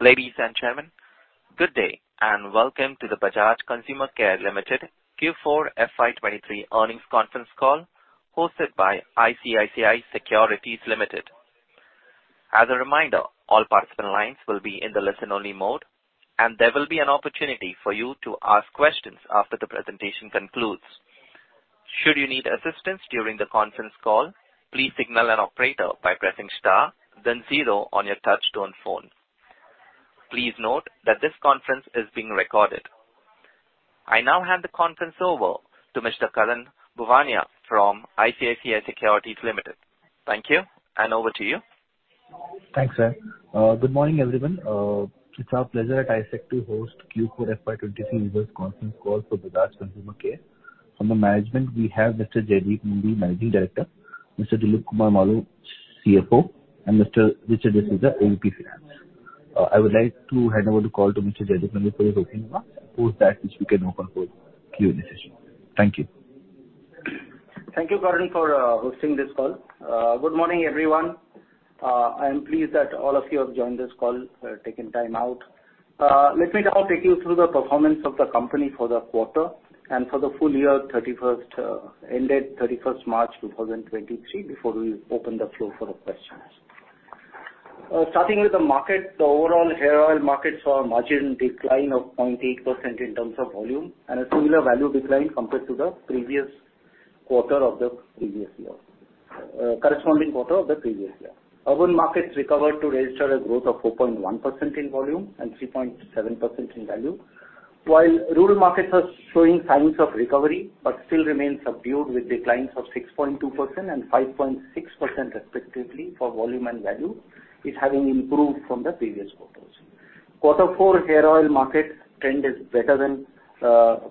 Ladies and gentlemen, good day, and welcome to the Bajaj Consumer Care Limited Q4 FY 2023 earnings conference call hosted by ICICI Securities Limited. As a reminder, all participant lines will be in the listen-only mode, and there will be an opportunity for you to ask questions after the presentation concludes. Should you need assistance during the conference call, please signal an operator by pressing star then zero on your touchtone phone. Please note that this conference is being recorded. I now hand the conference over to Mr. Karan Bhuwania from ICICI Securities Limited. Thank you, and over to you. Thanks, Ray. Good morning, everyone. It's our pleasure at ICICI to host Q4 FY 2023 results conference call for Bajaj Consumer Care. From the management, we have Mr. Jaideep Nandi, Managing Director, Mr. Dilip Kumar Maloo, CFO, and Mr. Richard D'Souza, AVP Finance. I would like to hand over the call to Mr. Jaideep Nandi for his opening remarks post that which we can open for Q&A session. Thank you. Thank you, Karan, for hosting this call. Good morning, everyone. I am pleased that all of you have joined this call, taking time out. Let me now take you through the performance of the company for the quarter and for the full year 31st, ended March 31st, 2023, before we open the floor for the questions. Starting with the market, the overall hair oil market saw a margin decline of 0.8% in terms of volume and a similar value decline compared to the previous quarter of the previous year, corresponding quarter of the previous year. Urban markets recovered to register a growth of 4.1% in volume and 3.7% in value. While rural markets are showing signs of recovery but still remain subdued, with declines of 6.2% and 5.6% respectively for volume and value, it having improved from the previous quarters. Q4 hair oil market trend is better than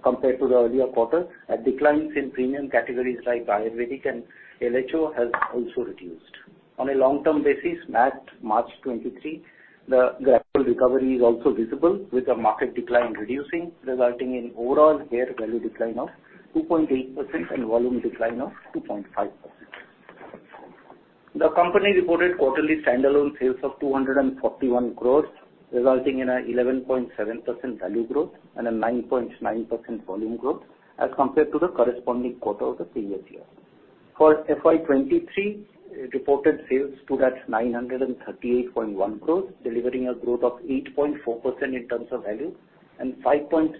compared to the earlier quarter, as declines in premium categories like Ayurvedic and LHO has also reduced. On a long-term basis, March 2023, the gradual recovery is also visible, with the market decline reducing, resulting in overall hair value decline of 2.8% and volume decline of 2.5%. The company reported quarterly standalone sales of 241 crores, resulting in an 11.7% value growth and a 9.9% volume growth as compared to the corresponding quarter of the previous year. For FY 2023, reported sales stood at 938.1 crores, delivering a growth of 8.4% in terms of value and 5.6%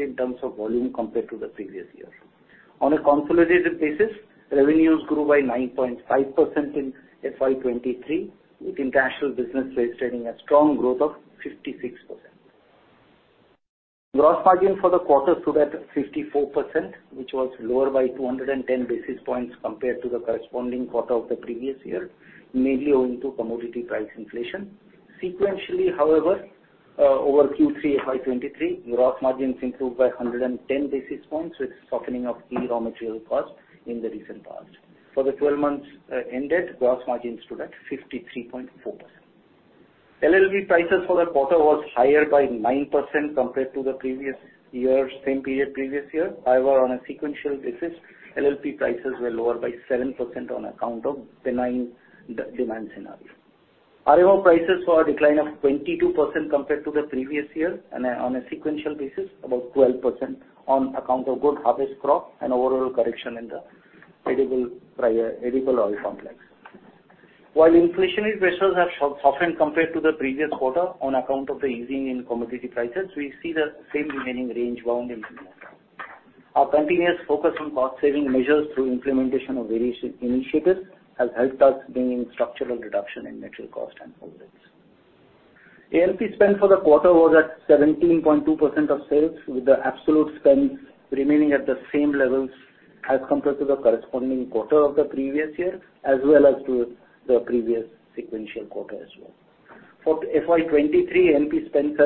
in terms of volume compared to the previous year. On a consolidated basis, revenues grew by 9.5% in FY 2023, with international business registering a strong growth of 56%. Gross margin for the quarter stood at 54%, which was lower by 210 basis points compared to the corresponding quarter of the previous year, mainly owing to commodity price inflation. Sequentially, however, over Q3 FY 2023, gross margins improved by 110 basis points, with softening of key raw material costs in the recent past. For the 12 months ended, gross margins stood at 53.4%. LLP prices for the quarter was higher by 9% compared to the same period previous year. However, on a sequential basis, LLP prices were lower by 7% on account of benign demand scenario. RPO prices saw a decline of 22% compared to the previous year and on a sequential basis, about 12% on account of good harvest crop and overall correction in the edible oil complex. While inflationary pressures have softened compared to the previous quarter on account of the easing in commodity prices, we see the same remaining range bound in the near term. Our continuous focus on cost-saving measures through implementation of various initiatives has helped us gain structural reduction in material cost and overheads. A&P spend for the quarter was at 17.2% of sales, with the absolute spend remaining at the same levels as compared to the corresponding quarter of the previous year, as well as to the previous sequential quarter as well. For FY 2023, A&P spend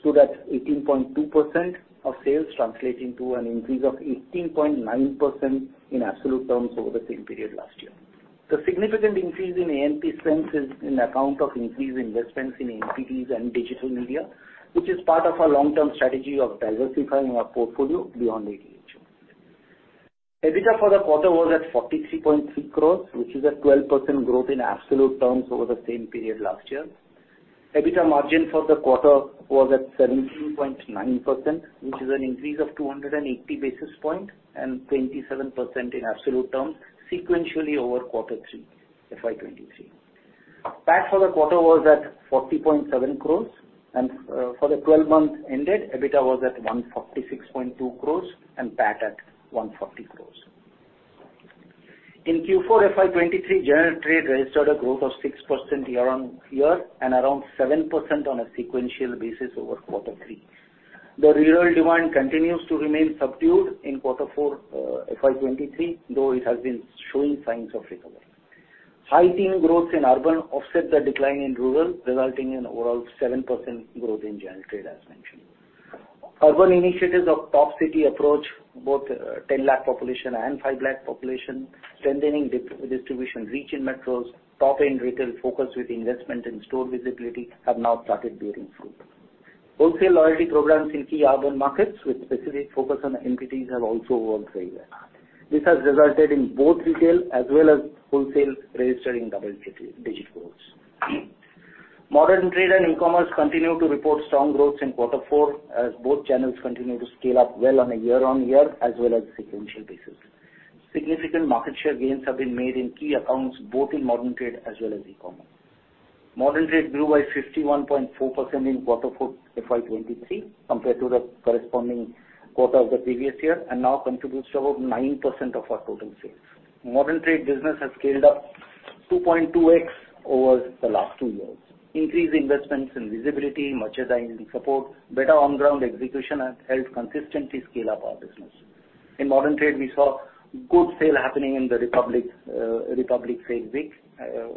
stood at 18.2% of sales, translating to an increase of 18.9% in absolute terms over the same period last year. The significant increase in A&P spends is in account of increased investments in MPGs and digital media, which is part of our long-term strategy of diversifying our portfolio beyond LHO. EBITDA for the quarter was at 43.3 crores, which is a 12% growth in absolute terms over the same period last year. EBITDA margin for the quarter was at 17.9%, which is an increase of 280 basis points and 27% in absolute terms sequentially over quarter three FY 2023. PAT for the quarter was at 40.7 crores. For the 12 months ended, EBITDA was at 146.2 crores and PAT at 140 crores. In Q4 FY 2023, general trade registered a growth of 6% year-on-year and around 7% on a sequential basis over quarter three. The rural demand continues to remain subdued in quarter four FY 2023, though it has been showing signs of recovery. High teen growth in urban offset the decline in rural, resulting in overall 7% growth in general trade as mentioned. Urban initiatives of top city approach, both, 10 lakh population and 5 lakh population, strengthening distribution reach in metros, top-end retail focus with investment in store visibility have now started bearing fruit. Wholesale loyalty programs in key urban markets with specific focus on entities have also worked very well. This has resulted in both retail as well as wholesale registering double-digit growth. Modern trade and e-commerce continue to report strong growth in quarter four as both channels continue to scale up well on a year-on-year as well as sequential basis. Significant market share gains have been made in key accounts, both in modern trade as well as e-commerce. Modern trade grew by 51.4% in quarter four FY 2023 compared to the corresponding quarter of the previous year and now contributes to about 9% of our total sales. Modern trade business has scaled up 2.2x over the last two years. Increased investments in visibility, merchandising support, better on ground execution has helped consistently scale up our business. In modern trade, we saw good sale happening in the Republic Sale Week,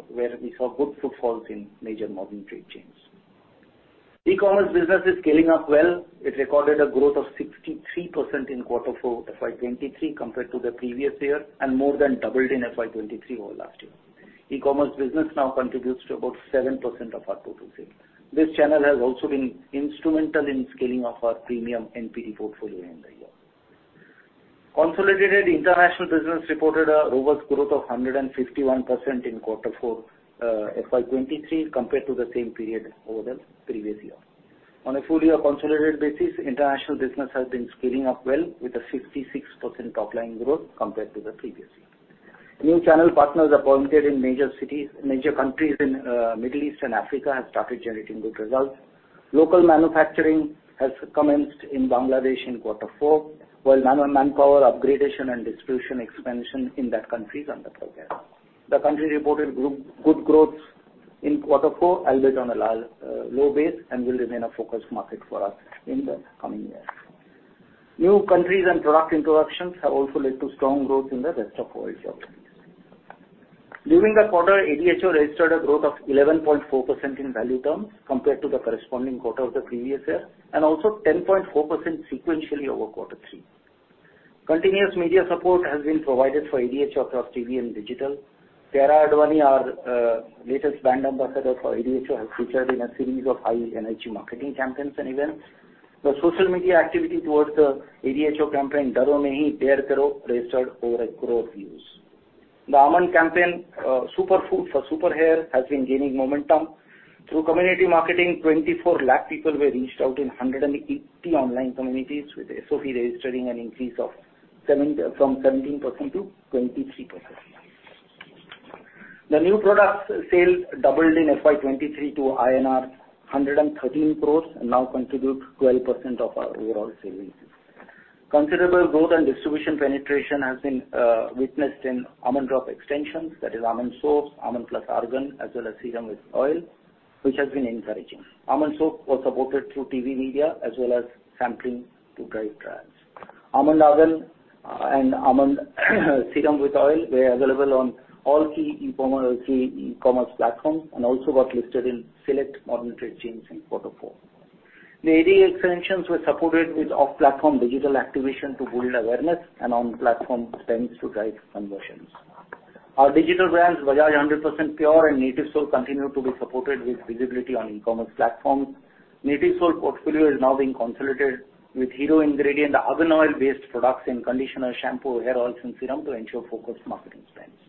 where we saw good footfalls in major modern trade chains. E-commerce business is scaling up well. It recorded a growth of 63% in quarter four FY 2023 compared to the previous year, and more than doubled in FY 2023 over last year. E-commerce business now contributes to about 7% of our total sales. This channel has also been instrumental in scaling up our premium NPD portfolio in the year. Consolidated international business reported a robust growth of 151% in quarter four FY 2023 compared to the same period over the previous year. On a full year consolidated basis, international business has been scaling up well with a 56% top line growth compared to the previous year. New channel partners appointed in major countries in Middle East and Africa have started generating good results. Local manufacturing has commenced in Bangladesh in quarter four, while manpower up-gradation and distribution expansion in that country is under progress. The country reported good growth in quarter four, albeit on a low, low base, and will remain a focus market for us in the coming years. New countries and product introductions have also led to strong growth in the rest of world geographies. During the quarter, ADHO registered a growth of 11.4% in value terms compared to the corresponding quarter of the previous year, and also 10.4% sequentially over quarter three. Continuous media support has been provided for ADHO across TV and digital. Kiara Advani, our latest brand ambassador for ADHO, has featured in a series of high energy marketing campaigns and events. The social media activity towards the ADHO campaign, "" registered over a crore views. The Almond campaign, Superfood for Super Hair, has been gaining momentum. Through community marketing, 24 lakh people were reached out in 180 online communities, with SOF registering an increase from 17% to 23%. The new products sales doubled in FY 2023 to INR 113 crores and now contribute 12% of our overall sales. Considerable growth and distribution penetration has been witnessed in Almond Drops extensions, that is Almond Soap, Almond Plus Argan, as well as Serum with Oil, which has been encouraging. Almond Soap was supported through TV media as well as sampling to drive trials. Almond Argan and Almond Serum with Oil were available on all key e-commerce platforms and also got listed in select modern trade chains in quarter four. The ad extensions were supported with off-platform digital activation to build awareness and on-platform spends to drive conversions. Our digital brands, Bajaj 100% Pure and Natyv Soul, continue to be supported with visibility on e-commerce platforms. Natyv Soul portfolio is now being consolidated with hero ingredient, the Argan oil-based products in conditioner, shampoo, hair oils and serum to ensure focused marketing spends.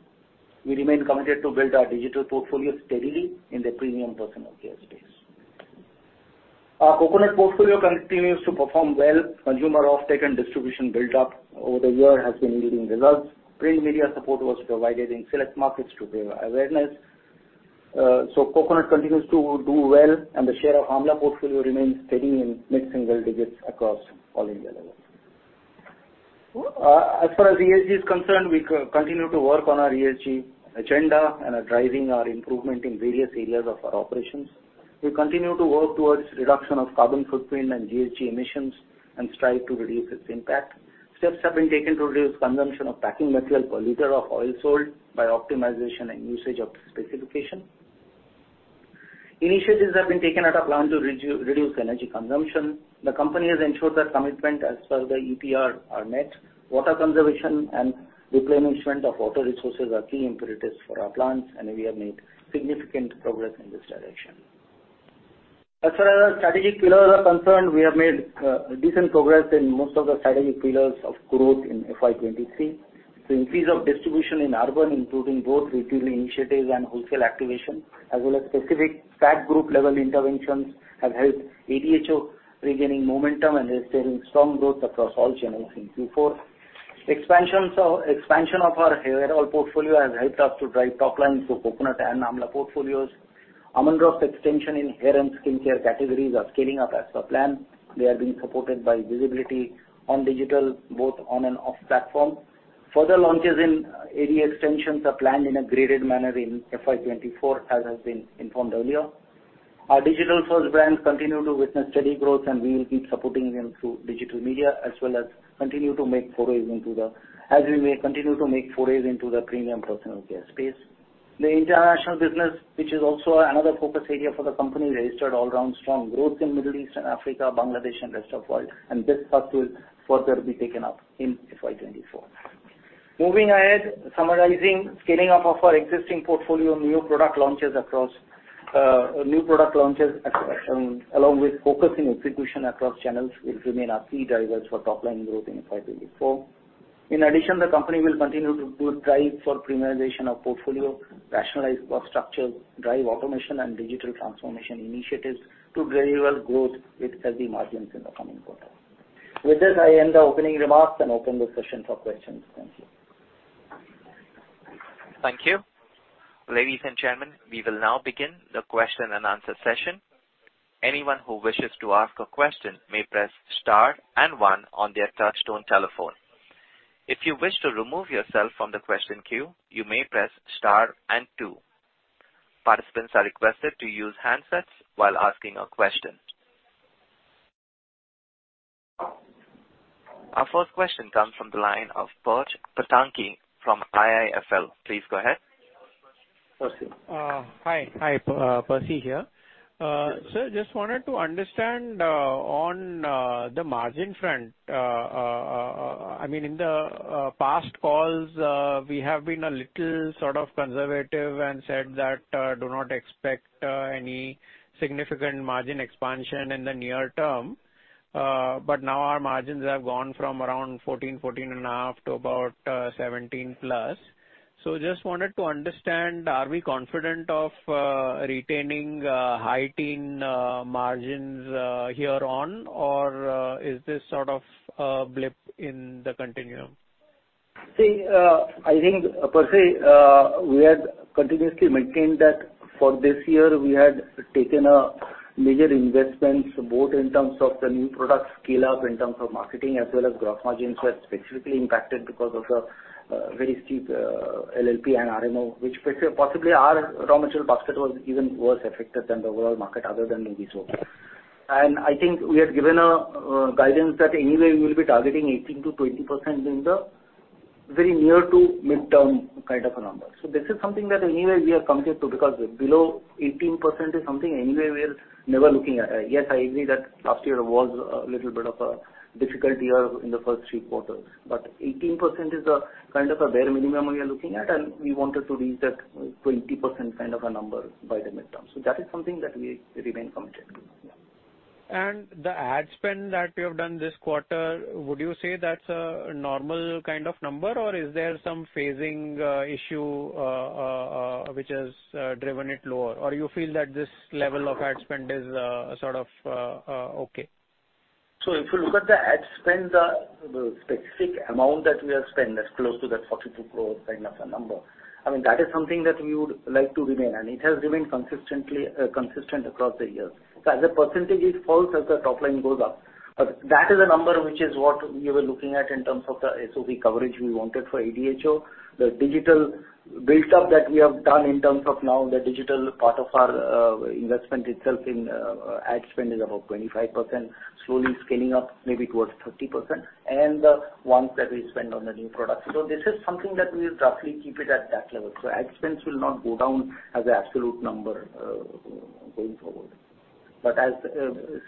We remain committed to build our digital portfolio steadily in the premium personal care space. Our Coconut portfolio continues to perform well. Consumer offtake and distribution build up over the year has been yielding results. Print media support was provided in select markets to build awareness. Coconut continues to do well, and the share of Amla portfolio remains steady in mid-single digits across all India levels. As far as ESG is concerned, we continue to work on our ESG agenda and are driving our improvement in various areas of our operations. We continue to work towards reduction of carbon footprint and Greenhouse Gas emissions and strive to reduce its impact. Steps have been taken to reduce consumption of packing material per liter of oil sold by optimization and usage of specification. Initiatives have been taken at our plant to reduce energy consumption. The company has ensured that commitment as per the EPR are met. Water conservation and replenishment of water resources are key imperatives for our plants, and we have made significant progress in this direction. As far as our strategic pillars are concerned, we have made decent progress in most of the strategic pillars of growth in FY 2023. The increase of distribution in urban, including both retail initiatives and wholesale activation, as well as specific stack group level interventions, have helped ADHO regaining momentum and registering strong growth across all channels in Q4. Expansion of our hair oil portfolio has helped us to drive top line through Coconut and Amla portfolios. Almond Drops' extension in hair and skincare categories are scaling up as per plan. They are being supported by visibility on digital, both on and off platform. Further launches in AD extensions are planned in a graded manner in FY 2024, as has been informed earlier. Our digital first brands continue to witness steady growth. We will keep supporting them through digital media as we may continue to make forays into the premium personal care space. The international business, which is also another focus area for the company, registered all round strong growth in Middle East and Africa, Bangladesh and rest of world. This path will further be taken up in FY 2024. Moving ahead, summarizing scaling up of our existing portfolio, new product launches along with focus in execution across channels will remain our key drivers for top line growth in FY 2024. In addition, the company will continue to build drive for premiumization of portfolio, rationalize cost structures, drive automation and digital transformation initiatives to gradual growth with healthy margins in the coming quarter. With this, I end the opening remarks and open the session for questions. Thank you. Thank you. Ladies and gentlemen, we will now begin the question-and-answer session. Anyone who wishes to ask a question may press star and one on their touchtone telephone. If you wish to remove yourself from the question queue, you may press star and two. Participants are requested to use handsets while asking a question. Our first question comes from the line of Percy Panthaki from IIFL. Please go ahead. Percy. Hi. Hi, Percy here. Just wanted to understand on the margin front. I mean in the past calls, we have been a little sort of conservative and said that do not expect any significant margin expansion in the near term. But now our margins have gone from around 14%, 14.5% to about 17%+. Just wanted to understand, are we confident of retaining high-teen margins here on? Or is this sort of a blip in the continuum? See, I think, Percy, we had continuously maintained that for this year we had taken a major investments both in terms of the new product scale up, in terms of marketing as well as gross margins were specifically impacted because of very steep LLP and RMO, which Percy possibly our raw material basket was even worse affected than the overall market other than maybe soap. I think we had given a guidance that anyway we will be targeting 18%-20% in the very near to mid-term kind of a number. This is something that anyway we are committed to because below 18% is something anyway we are never looking at. Yes, I agree that last year was a little bit of a difficult year in the first three quarters. 18% is a kind of a bare minimum we are looking at, and we wanted to reach that 20% kind of a number by the midterm. That is something that we remain committed to. Yeah. The ad spend that you have done this quarter, would you say that's a normal kind of number, or is there some phasing issue which has driven it lower? Or you feel that this level of ad spend is, sort of, okay? If you look at the ad spend, the specific amount that we have spent that's close to that 42 crore kind of a number, I mean, that is something that we would like to remain, and it has remained consistently consistent across the years. As a percentage, it falls as the top line goes up. That is a number which is what we were looking at in terms of the SOV coverage we wanted for ADHO. The digital buildup that we have done in terms of now the digital part of our investment itself in ad spend is about 25%, slowly scaling up maybe towards 30% and the ones that we spend on the new products. This is something that we will roughly keep it at that level. ad spends will not go down as a absolute number, going forward. As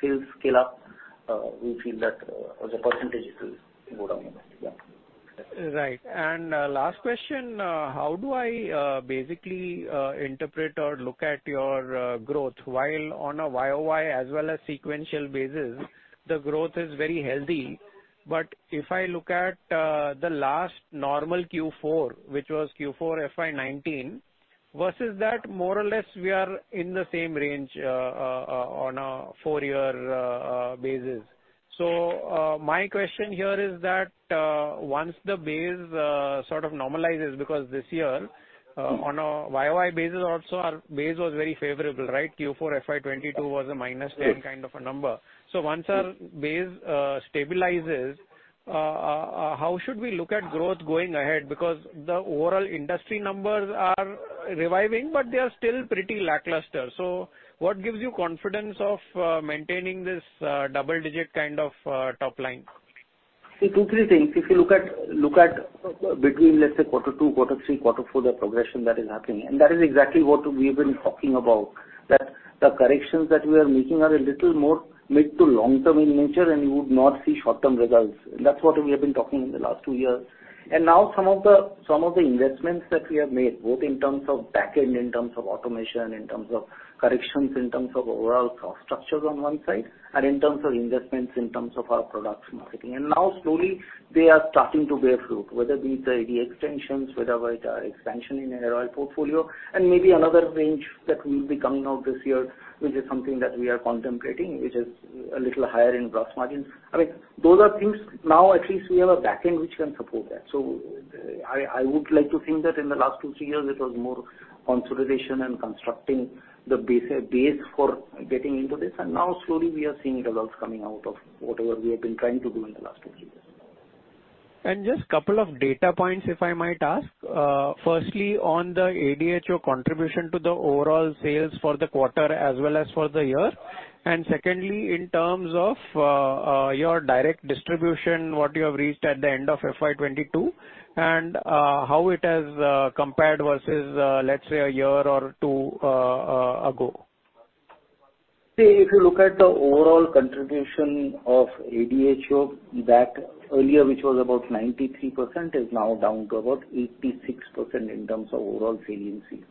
sales scale up, we feel that the percentage will go down a bit. Yeah. Right. Last question. How do I basically interpret or look at your growth while on a YoY as well as sequential basis? The growth is very healthy. If I look at the last normal Q4, which was Q4 FY 2019, versus that more or less we are in the same range on a four-year basis. My question here is that once the base sort of normalizes because this year on a YoY basis also our base was very favorable, right? Q4 FY 2022 was a -10% kind of a number. Once our base stabilizes, how should we look at growth going ahead? Because the overall industry numbers are reviving, but they are still pretty lackluster. What gives you confidence of maintaining this double-digit kind of top line? See, two, three things. If you look at, look at between, let's say, quarter two, quarter three, quarter four, the progression that is happening, that is exactly what we've been talking about, that the corrections that we are making are a little more mid to long term in nature, and you would not see short-term results. That's what we have been talking in the last two years. Now some of the investments that we have made, both in terms of back-end, in terms of automation, in terms of corrections, in terms of overall cost structures on one side, and in terms of investments, in terms of our products marketing. Now slowly they are starting to bear fruit. Whether it be the ad extensions, whether it be the expansion in ROI portfolio, and maybe another range that will be coming out this year, which is something that we are contemplating, which is a little higher in gross margins. I mean, those are things now at least we have a back end which can support that. I would like to think that in the last two, three years, it was more consolidation and constructing the base for getting into this. Now slowly we are seeing results coming out of whatever we have been trying to do in the last two, three years. Just two data points, if I might ask. Firstly, on the ADHO contribution to the overall sales for the quarter as well as for the year. Secondly, in terms of your direct distribution, what you have reached at the end of FY 2022, and how it has compared versus, let's say one or two years ago. See, if you look at the overall contribution of ADHO back earlier, which was about 93%, is now down to about 86% in terms of overall saliency.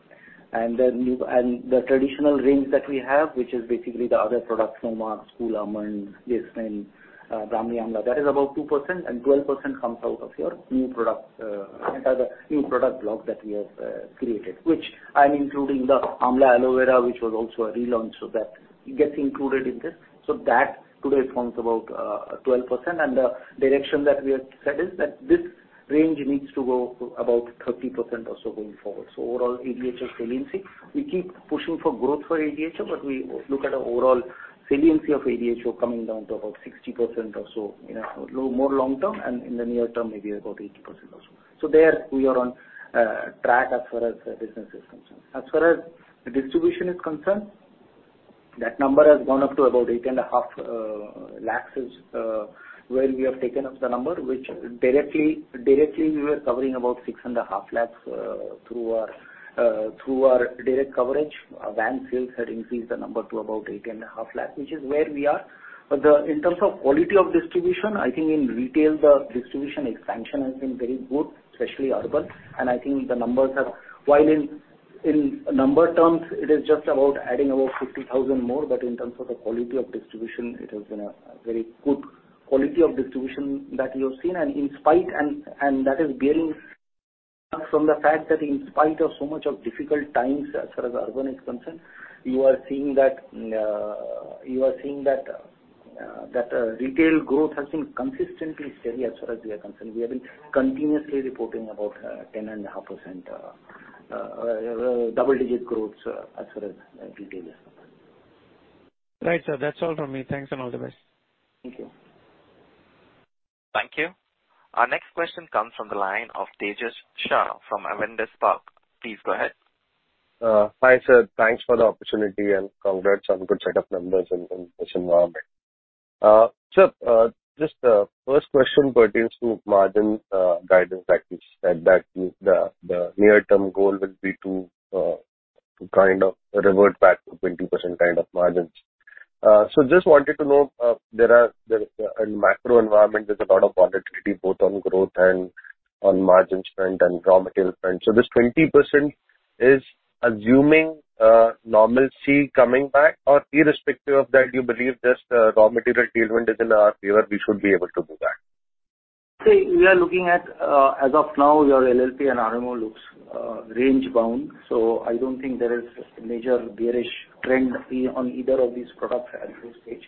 The traditional range that we have, which is basically the other products from our Cool Almond, Glistene, Brahmi Amla, that is about 2% and 12% comes out of your new product and other new product block that we have created, which I'm including the Amla Aloe Vera, which was also a relaunch, so that gets included in this. So that today forms about 12%. The direction that we have set is that this range needs to go about 30% or so going forward. Overall, ADHO saliency, we keep pushing for growth for ADHO, but we look at the overall saliency of ADHO coming down to about 60% or so in a more long term and in the near term, maybe about 80% or so. There we are on track as far as the business is concerned. As far as distribution is concerned, that number has gone up to about 8.5 lakhs, is where we have taken up the number, which directly we were covering about 6.5 lakhs through our direct coverage. Our van sales had increased the number to about 8.5 lakh, which is where we are. In terms of quality of distribution, I think in retail, the distribution expansion has been very good, especially urban. While in number terms, it is just about adding about 50,000 more, in terms of the quality of distribution, it has been a very good quality of distribution that you have seen. That is bearing from the fact that in spite of so much of difficult times as far as urban is concerned, you are seeing that retail growth has been consistently steady as far as we are concerned. We have been continuously reporting about 10.5% double-digit growth as far as retail is concerned. Right, sir. That's all from me. Thanks and all the best. Thank you. Thank you. Our next question comes from the line of Tejash Shah from Avendus Spark. Please go ahead. Hi, sir. Thanks for the opportunity and congrats on good set of numbers in this environment. Just the first question pertains to margin guidance that you said that the near-term goal will be to kind of revert back to 20% kind of margins. Just wanted to know, there's in macro environment, there's a lot of volatility both on growth and on margin spend and raw material spend. This 20% is assuming normalcy coming back or irrespective of that you believe this raw material tailwind is in our favor, we should be able to do that. We are looking at, as of now your LLP and RMO looks range bound, so I don't think there is major bearish trend on either of these products at this stage.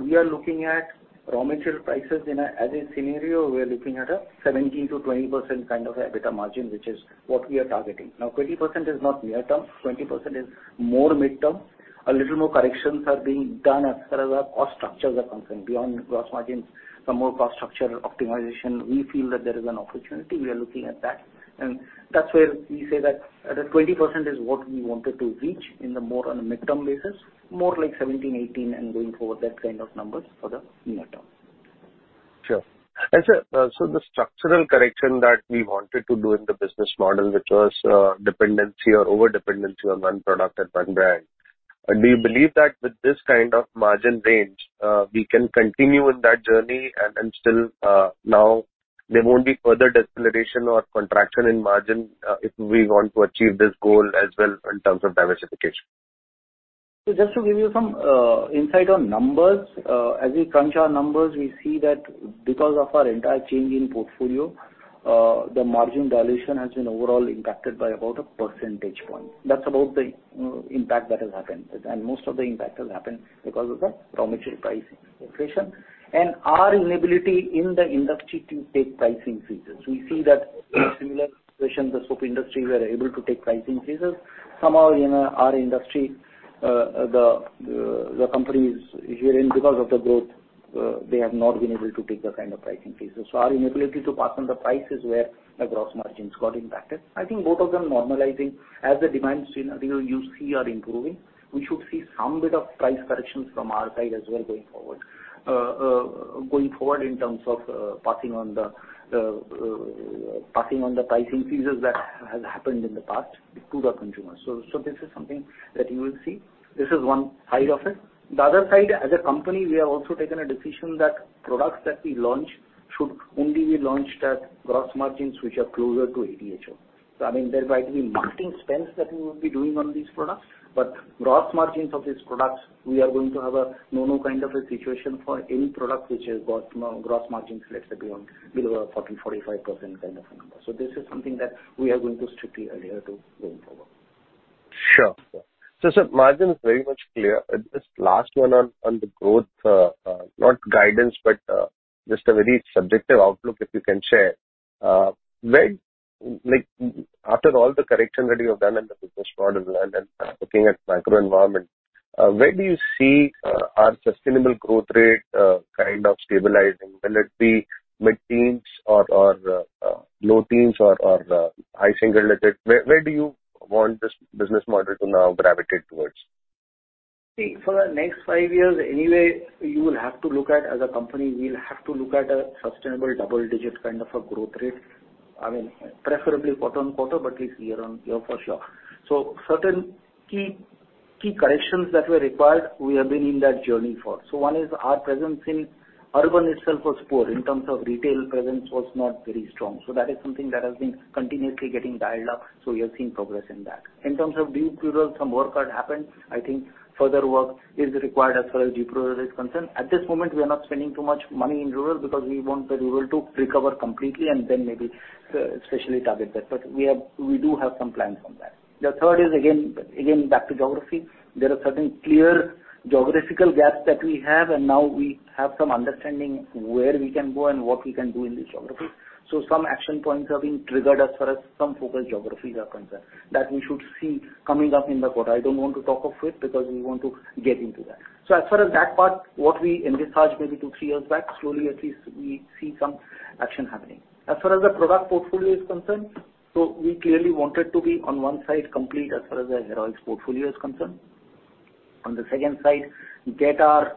We are looking at raw material prices in a, as a scenario, we are looking at a 17%-20% kind of EBITDA margin, which is what we are targeting. 20% is not near term. 20% is more mid-term. A little more corrections are being done as far as our cost structures are concerned. Beyond gross margins, some more cost structure optimization, we feel that there is an opportunity. We are looking at that. That's where we say that the 20% is what we wanted to reach in the more on a mid-term basis, more like 17, 18 and going forward that kind of numbers for the near term. Sure. Sir, the structural correction that we wanted to do in the business model, which was, dependency or over-dependency on one product and one brand, do you believe that with this kind of margin range, we can continue in that journey and still, now there won't be further deceleration or contraction in margin, if we want to achieve this goal as well in terms of diversification? Just to give you some insight on numbers, as we crunch our numbers, we see that because of our entire change in portfolio, the margin dilution has been overall impacted by about 1 percentage point. That's about the impact that has happened. Most of the impact has happened because of the raw material price inflation and our inability in the industry to take pricing freezes. We see that in similar situations, the soap industry were able to take pricing freezes. Somehow in our industry, the companies usually because of the growth, they have not been able to take that kind of pricing freezes. Our inability to pass on the prices where the gross margins got impacted. I think both of them normalizing as the demands, you know, you see are improving. We should see some bit of price corrections from our side as well going forward in terms of passing on the pricing freezes that has happened in the past to the consumer. This is something that you will see. This is one side of it. The other side, as a company, we have also taken a decision that products that we launch should only be launched at gross margins which are closer to ADHO. I mean, there might be marketing spends that we will be doing on these products, but gross margins of these products, we are going to have a no-no kind of a situation for any product which has got, you know, gross margins less than, below 40%-45% kind of a number. This is something that we are going to strictly adhere to going forward. Sure. Sir, margin is very much clear. Just last one on the growth, not guidance, but just a very subjective outlook, if you can share. Where, like after all the correction that you have done in the business model and then looking at macro environment, where do you see our sustainable growth rate kind of stabilizing? Will it be mid-teens or low teens or high single digits? Where do you want this business model to now gravitate towards? For the next five years anyway, you will have to look at as a company, we'll have to look at a sustainable double-digit kind of a growth rate. I mean, preferably quarter-on-quarter, but at least year-on-year for sure. Certain key corrections that were required, we have been in that journey for. One is our presence in urban itself was poor in terms of retail presence was not very strong. That is something that has been continuously getting dialed up, so we are seeing progress in that. In terms of deep rural, some work had happened. I think further work is required as far as deep rural is concerned. At this moment, we are not spending too much money in rural because we want the rural to recover completely and then maybe, especially target that. We do have some plans on that. The third is again back to geography. There are certain clear geographical gaps that we have, and now we have some understanding where we can go and what we can do in this geography. Some action points have been triggered as far as some focused geographies are concerned. That we should see coming up in the quarter. I don't want to talk of it because we want to get into that. As far as that part, what we envisaged maybe two, three years back, slowly at least we see some action happening. As far as the product portfolio is concerned, we clearly wanted to be on one side complete as far as the heroics portfolio is concerned. On the second side, get our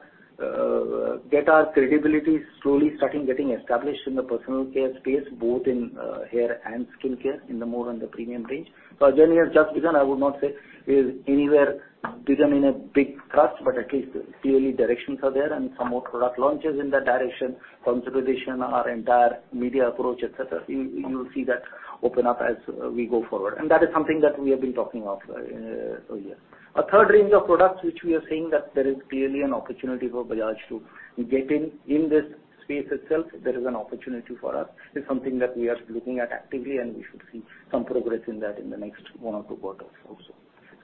credibility slowly starting getting established in the personal care space, both in hair and skin care in the more and the premium range. A journey has just begun. I would not say is anywhere become in a big trust, but at least clearly directions are there and some more product launches in that direction, consolidation, our entire media approach, etc. You'll see that open up as we go forward. That is something that we have been talking of a year. A third range of products which we are seeing that there is clearly an opportunity for Bajaj to get in this space itself, there is an opportunity for us, is something that we are looking at actively and we should see some progress in that in the next one or two quarters also.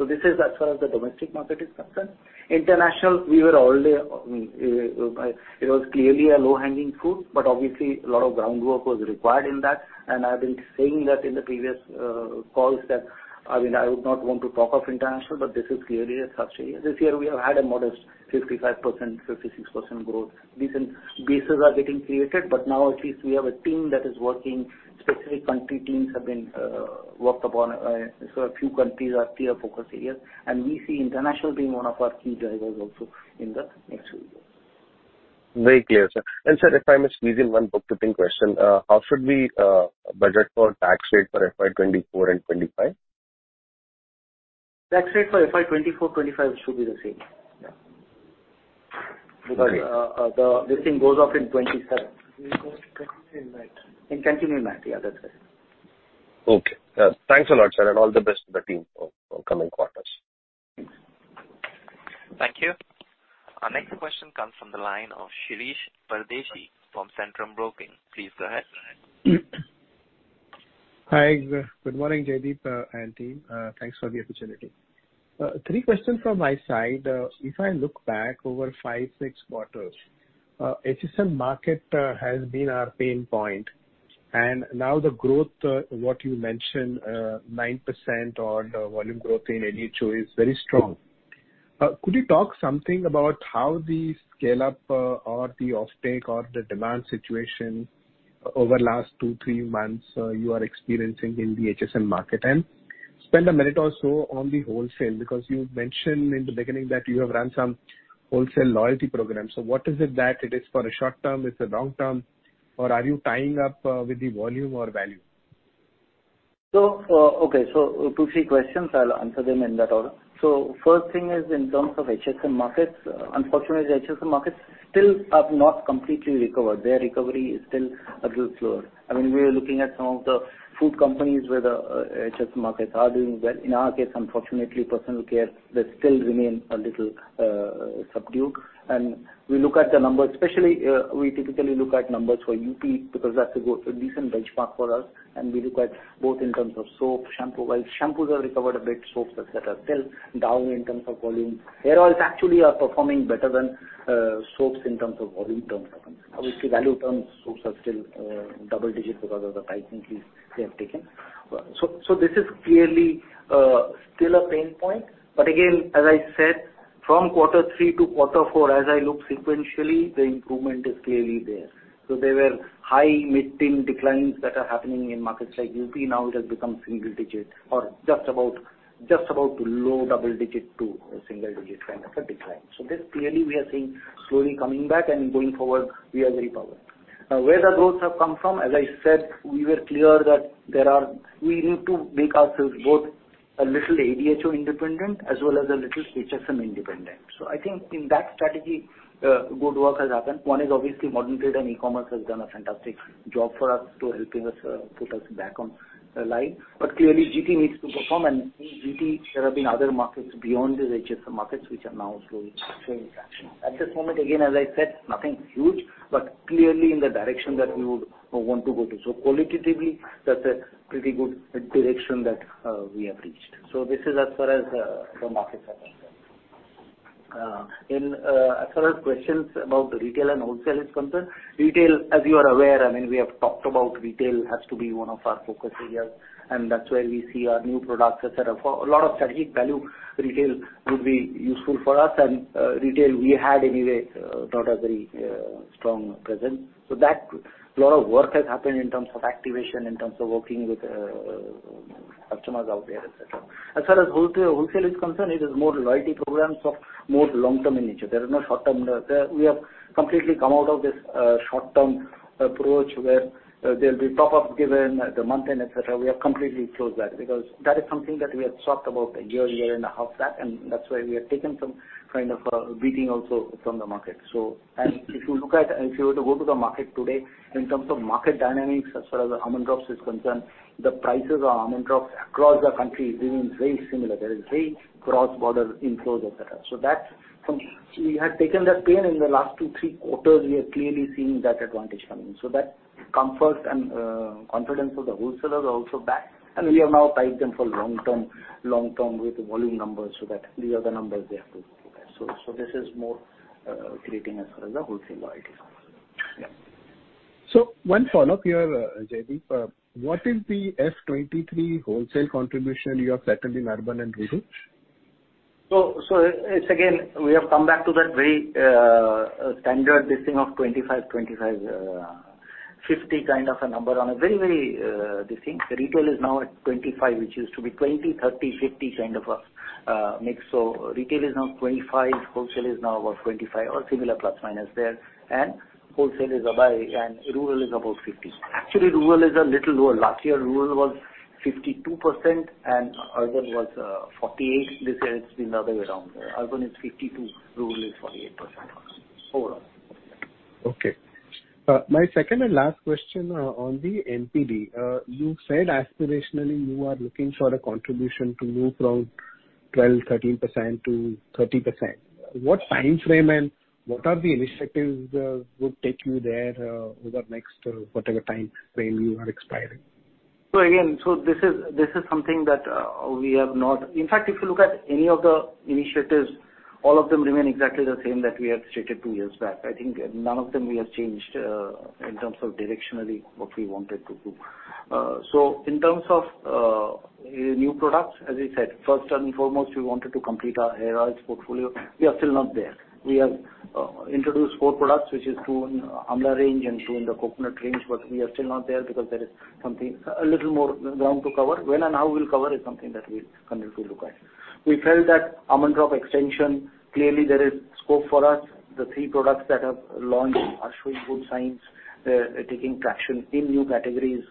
This is as far as the domestic market is concerned. International, I mean, it was clearly a low-hanging fruit, obviously a lot of groundwork was required in that. I've been saying that in the previous calls that, I mean, I would not want to talk of international, this is clearly a touch area. This year, we have had a modest 55%, 56% growth. Decent bases are getting created, now at least we have a team that is working, specific country teams have been worked upon. A few countries are clear focus areas, we see international being one of our key drivers also in the next few years. Very clear, sir. Sir, if I may squeeze in 1 bookkeeping question. How should we budget for tax rate for FY 2024 and 2025? Tax rate for FY 2024, 2025 should be the same. Yeah. Okay. This thing goes off in 2027. In continuing that. In continuing that, yeah, that's it. Okay. Thanks a lot, sir, and all the best to the team for coming quarters. Thank you. Our next question comes from the line of Shirish Pardeshi from Centrum Broking. Please go ahead. Hi. Good morning, Jaideep, and team. Thanks for the opportunity. Three questions from my side. If I look back over five, six quarters, HSM market, has been our pain point. Now the growth, what you mentioned, 9% on volume growth in ADHO is very strong. Could you talk something about how the scale-up or the offtake or the demand situation over last two, three months, you are experiencing in the HSM market? Spend a minute or so on the wholesale, because you mentioned in the beginning that you have run some wholesale loyalty programs. What is it that it is for a short term, it's a long term, or are you tying up, with the volume or value? Okay. Two, three questions, I'll answer them in that order. First thing is in terms of HSM markets, unfortunately, the HSM markets still have not completely recovered. Their recovery is still a little slower. I mean, we are looking at some of the food companies where the HSM markets are doing well. In our case, unfortunately, personal care, they still remain a little subdued. We look at the numbers, especially, we typically look at numbers for UP because that's a good, a decent benchmark for us, and we look at both in terms of soap, shampoo. While shampoos have recovered a bit, soaps etc are still down in terms of volume. Hair oils actually are performing better than soaps in terms of volume terms performance. Obviously, value terms, soaps are still double digit because of the pricing fees they have taken. This is clearly still a pain point. Again, as I said, from quarter three to quarter four, as I look sequentially, the improvement is clearly there. There were high mid-teen declines that are happening in markets like UP. It has become single digit or just about low double digit to a single digit kind of a decline. This clearly we are seeing slowly coming back and going forward, we are very powered. Where the growth have come from, as I said, we were clear that we need to make ourselves both a little ADHO independent as well as a little HSM independent. I think in that strategy, good work has happened. One is obviously modern trade and e-commerce has done a fantastic job for us to helping us put us back on line. Clearly, GT needs to perform. In GT, there have been other markets beyond these HSM markets which are now slowly showing traction. At this moment, again, as I said, nothing huge, but clearly in the direction that we would want to go to. Qualitatively, that's a pretty good direction that we have reached. This is as far as the markets are concerned. In as far as questions about the retail and wholesale is concerned, retail, as you are aware, I mean, we have talked about retail has to be one of our focus areas, and that's where we see our new products etc. For a lot of strategic value, retail would be useful for us. Retail we had anyway not a very strong presence. That lot of work has happened in terms of activation, in terms of working with Customers out there, etc. As far as wholesale is concerned, it is more loyalty programs of more long-term in nature. There are no short-term there. We have completely come out of this short-term approach where there'll be pop-ups given at the month-end, etc. We have completely closed that because that is something that we had talked about a year and a half back, and that's why we have taken some kind of a beating also from the market. If you look at... If you were to go to the market today, in terms of market dynamics, as far as Almond Drops is concerned, the prices of Almond Drops across the country remains very similar. There is very cross-border inflows, etc. That's something. We had taken that pain in the last two, three quarters. We are clearly seeing that advantage coming. That comfort and confidence of the wholesalers are also back, and we have now tied them for long-term with volume numbers, so that these are the numbers they have to look at. This is more creating as far as the wholesale loyalty goes. Yeah. One follow-up here, Jaideep. What is the F-2023 wholesale contribution you have settled in urban and rural? It's again, we have come back to that very standard listing of 25/25, 50 kind of a number on a very, very listing. Retail is now at 25, which used to be 20%, 30%, 50% kind of a mix. Retail is now 25%. Wholesale is now about 25% or similar plus or minus there. Rural is about 50. Actually, rural is a little lower. Last year rural was 52% and urban was 48%. This year it's the other way around. Urban is 52%, rural is 48% overall. Okay. My second and last question on the NPD. You said aspirationally you are looking for a contribution to move from 12%-13% to 30%. What time frame and what are the initiatives would take you there over the next whatever time frame you are expiring? Again, this is something that we have not... In fact, if you look at any of the initiatives, all of them remain exactly the same that we had stated two years back. I think none of them we have changed in terms of directionally what we wanted to do. In terms of new products, as I said, first and foremost, we wanted to complete our hair oils portfolio. We are still not there. We have introduced four products, which is two in Amla range and two in the Coconut range, but we are still not there because there is something a little more ground to cover. When and how we'll cover is something that we'll continue to look at. We felt that Almond Drops extension, clearly there is scope for us. The three products that have launched are showing good signs. They're taking traction in new categories,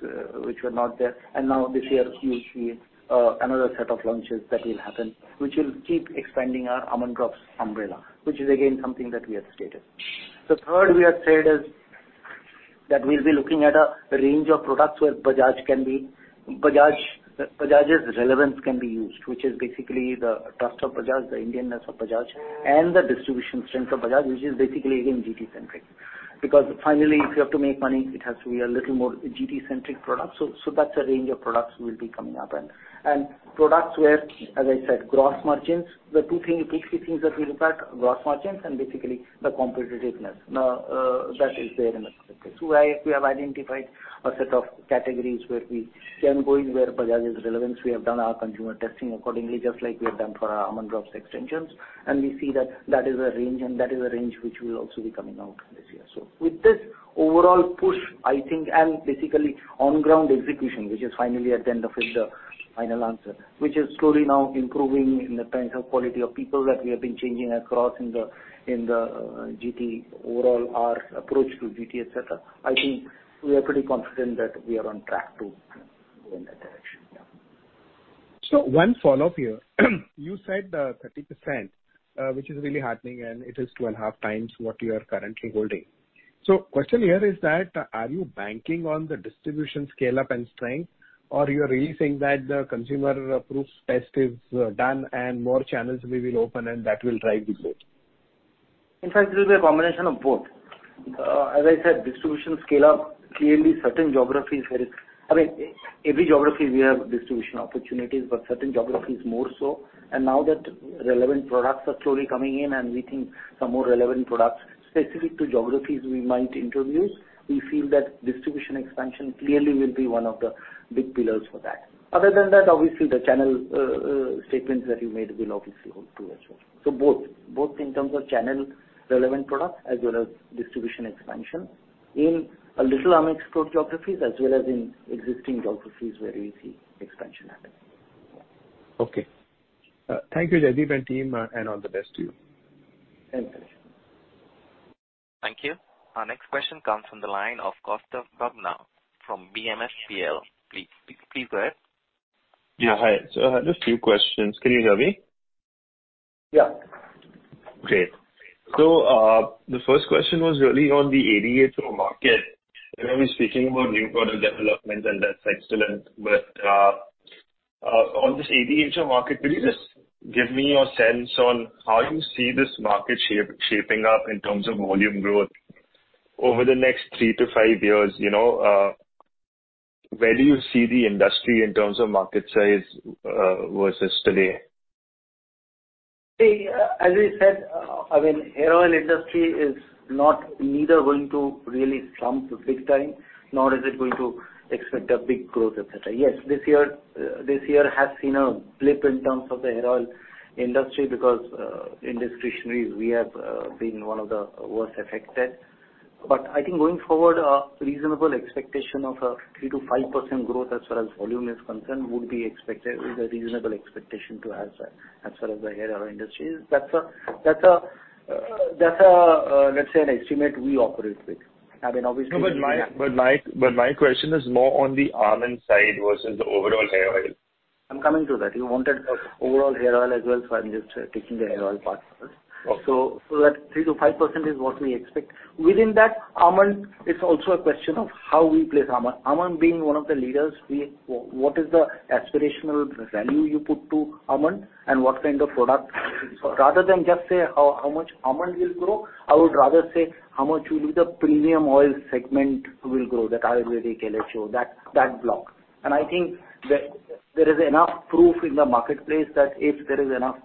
which were not there. Now this year you will see another set of launches that will happen, which will keep expanding our Almond Drops umbrella, which is again something that we have stated. The third we have said is that we'll be looking at a range of products where Bajaj's relevance can be used, which is basically the trust of Bajaj, the Indian-ness of Bajaj, and the distribution strength of Bajaj, which is basically again GT centric, because finally, if you have to make money, it has to be a little more GT centric product. That's a range of products will be coming up and products where, as I said, gross margins, the two things, basically things that we look at gross margins and basically the competitiveness. Now, that is there in the space. We have identified a set of categories where we can go in where Bajaj is relevant. We have done our consumer testing accordingly, just like we have done for our Almond Drops extensions. We see that that is a range which will also be coming out this year. With this overall push, I think, and basically on ground execution, which is finally at the end of it, the final answer, which is slowly now improving in the kinds of quality of people that we have been changing across in the, in the GT overall, our approach to GT, etc. I think we are pretty confident that we are on track to go in that direction. Yeah. One follow-up here. You said, 30%, which is really heartening, and it is 2.5x what you are currently holding. Question here is that, are you banking on the distribution scale-up and strength or you are really saying that the consumer approves test is done and more channels we will open and that will drive the growth? In fact, it will be a combination of both. As I said, distribution scale-up, clearly certain geographies, I mean, every geography we have distribution opportunities, but certain geographies more so. Now that relevant products are slowly coming in and we think some more relevant products specific to geographies we might introduce, we feel that distribution expansion clearly will be one of the big pillars for that. Other than that, obviously the channel, statements that you made will obviously hold true as well. Both in terms of channel relevant products as well as distribution expansion in a little unexplored geographies as well as in existing geographies where we see expansion happening. Okay. Thank you, Jaideep and team, and all the best to you. Thanks, Shirish. Thank you. Our next question comes from the line of Kaustav Bubna from BMSPL. Please go ahead. Yeah, hi. I had a few questions. Can you hear me? Yeah. Great. The first question was really on the ADHO market. You know, we're speaking about new product development and that's excellent. On this ADHO market, could you just give me your sense on how you see this market shaping up in terms of volume growth over the next three to five years? You know, where do you see the industry in terms of market size versus today? See, as I said, I mean, hair oil industry is not neither going to really slump big time, nor is it going to expect a big growth, etc. Yes, this year, this year has seen a blip in terms of the hair oil industry because, in discretionary we have been one of the worst affected. I think going forward, a reasonable expectation of a 3%-5% growth as far as volume is concerned would be expected, is a reasonable expectation to have as far as the hair oil industry is. That's a, let's say an estimate we operate with. I mean, obviously- No, but my question is more on the Almond side versus the overall hair oil. I'm coming to that. You wanted. Okay. The overall hair oil as well, I'm just taking the hair oil part first. Okay. That 3%-5% is what we expect. Within that, Almond, it's also a question of how we place Almond. Almond being one of the leaders, what is the aspirational value you put to Almond and what kind of product? Rather than just say how much Almond will grow, I would rather say how much will be the premium oil segment will grow, that Ayurvedic LHO, that block. I think that there is enough proof in the marketplace that if there is enough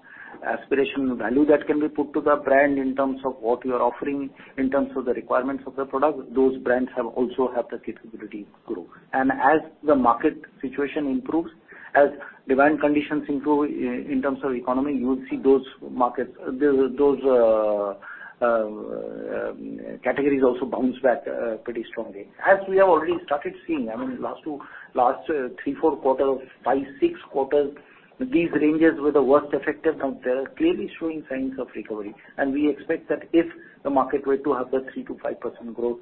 aspirational value that can be put to the brand in terms of what we are offering, in terms of the requirements of the product, those brands also have the capability to grow. As the market situation improves, as demand conditions improve in terms of economy, you will see those markets, those categories also bounce back pretty strongly. As we have already started seeing, I mean, last three, four quarters, five, six quarters, these ranges were the worst affected. Now they are clearly showing signs of recovery. We expect that if the market were to have that 3%-5% growth,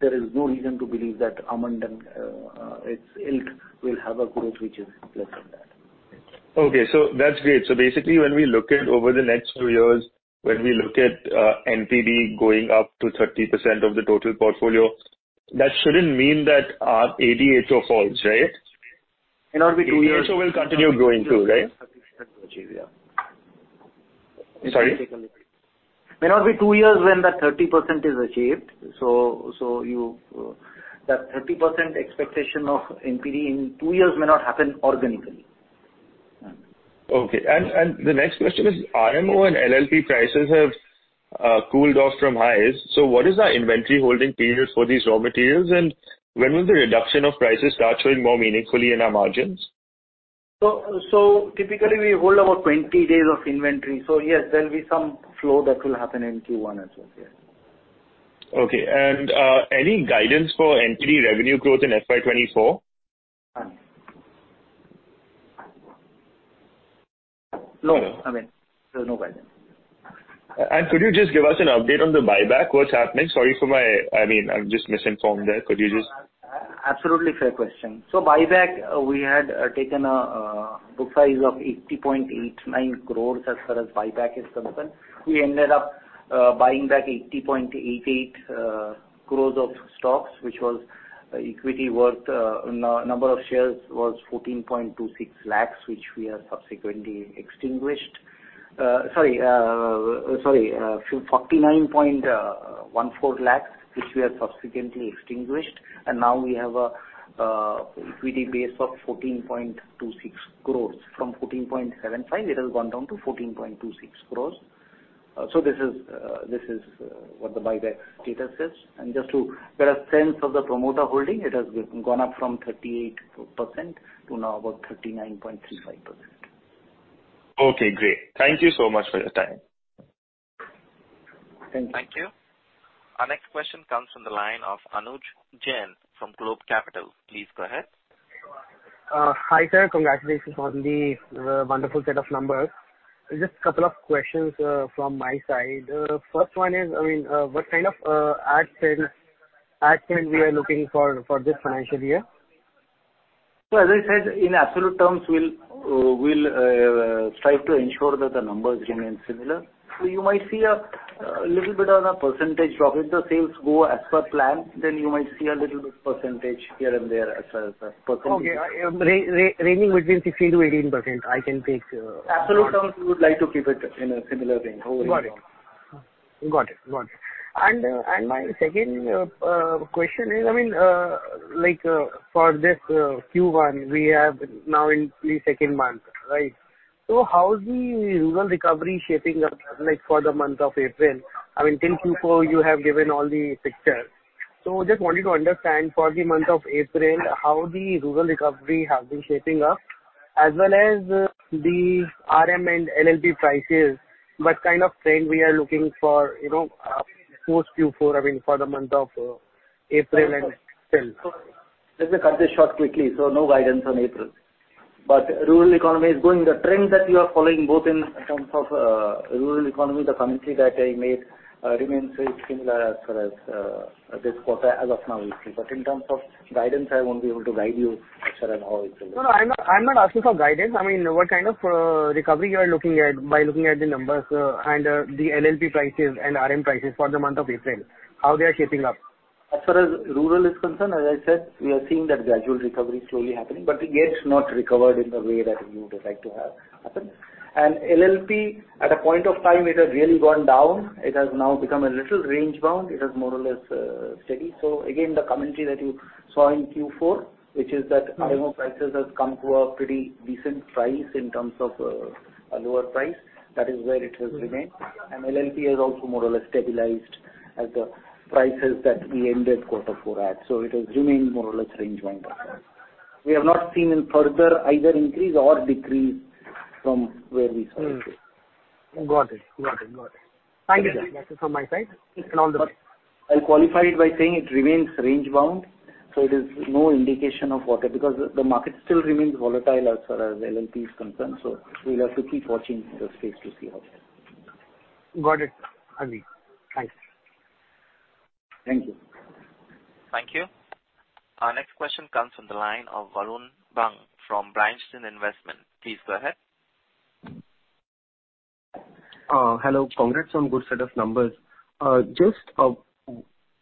there is no reason to believe that Almond and its ilk will have a growth which is less than that. Thanks. Okay. That's great. Basically, when we look at over the next two years, when we look at, NPD going up to 30% of the total portfolio, that shouldn't mean that our ADH falls, right? It may not be two years. It also will continue growing, too, right? Yeah. Sorry? May not be two years when that 30% is achieved. That 30% expectation of NPD in two years may not happen organically. Okay. The next question is, RMO and LLP prices have cooled off from highs, so what is our inventory holding period for these raw materials? When will the reduction of prices start showing more meaningfully in our margins? Typically we hold about 20 days of inventory. Yes, there'll be some flow that will happen in Q1 as well. Yes. Okay. any guidance for NPD revenue growth in FY 2024? None. No, I mean, there's no guidance. Could you just give us an update on the buyback? What's happening? I mean, I'm just misinformed there. Absolutely fair question. Buyback, we had taken a book size of 80.89 crores as far as buyback is concerned. We ended up buying back 80.88 crores of stocks, which was equity worth 14.26 lakhs, which we have subsequently extinguished. Sorry, 49.14 lakhs, which we have subsequently extinguished. And now we have equity base of 14.26 crores. From 14.75, it has gone down to 14.26 crores. This is what the buyback status is. Just to get a sense of the promoter holding, it has gone up from 38% to now about 39.35%. Okay, great. Thank you so much for your time. Thank you. Thank you. Our next question comes from the line of Anuj Jain from Globe Capital. Please go ahead. Hi, sir. Congratulations on the wonderful set of numbers. Just couple of questions from my side. First one is, what kind of ad spend we are looking for for this financial year? As I said, in absolute terms, we'll strive to ensure that the numbers remain similar. You might see a little bit of a percentage drop. If the sales go as per plan, then you might see a little bit percentage here and there as far as the percentage- Okay. Ranging between 16%-18%, I can take. Absolute terms, we would like to keep it in a similar range. Got it. Got it. Got it. my second question is, I mean, like, for this Q1, we have now in the 2nd month, right? How's the rural recovery shaping up, like, for the month of April? I mean, till Q4 you have given all the picture. Just wanted to understand for the month of April, how the rural recovery has been shaping up, as well as the RM and LLP prices, what kind of trend we are looking for, you know, post Q4, I mean, for the month of April and till. Let me cut it short quickly. No guidance on April. Rural economy The trend that you are following both in terms of rural economy, the commentary that I made, remains very similar as far as this quarter as of now, we see. In terms of guidance, I won't be able to guide you, sir, on how it will look. No, no, I'm not, I'm not asking for guidance. I mean, what kind of recovery you are looking at by looking at the numbers and the LLP prices and RM prices for the month of April, how they are shaping up? As far as rural is concerned, as I said, we are seeing that gradual recovery slowly happening, but yet not recovered in the way that you would like to have happen. LLP, at a point of time, it had really gone down. It has now become a little range-bound. It is more or less steady. Again, the commentary that you saw in Q4, which is that RMO prices has come to a pretty decent price in terms of a lower price. That is where it has remained. LLP has also more or less stabilized at the prices that we ended quarter four at. It has remained more or less range-bound. We have not seen any further either increase or decrease from where we started. Got it. Thank you, sir. That is from my side. I'll qualify it by saying it remains range bound, so it is no indication of what. Because the market still remains volatile as far as LLP is concerned, so we'll have to keep watching the space to see how it goes. Got it. Agree. Thanks. Thank you. Thank you. Our next question comes from the line of Varun Bang from Bernstein. Please go ahead. Hello. Congrats on good set of numbers. Just,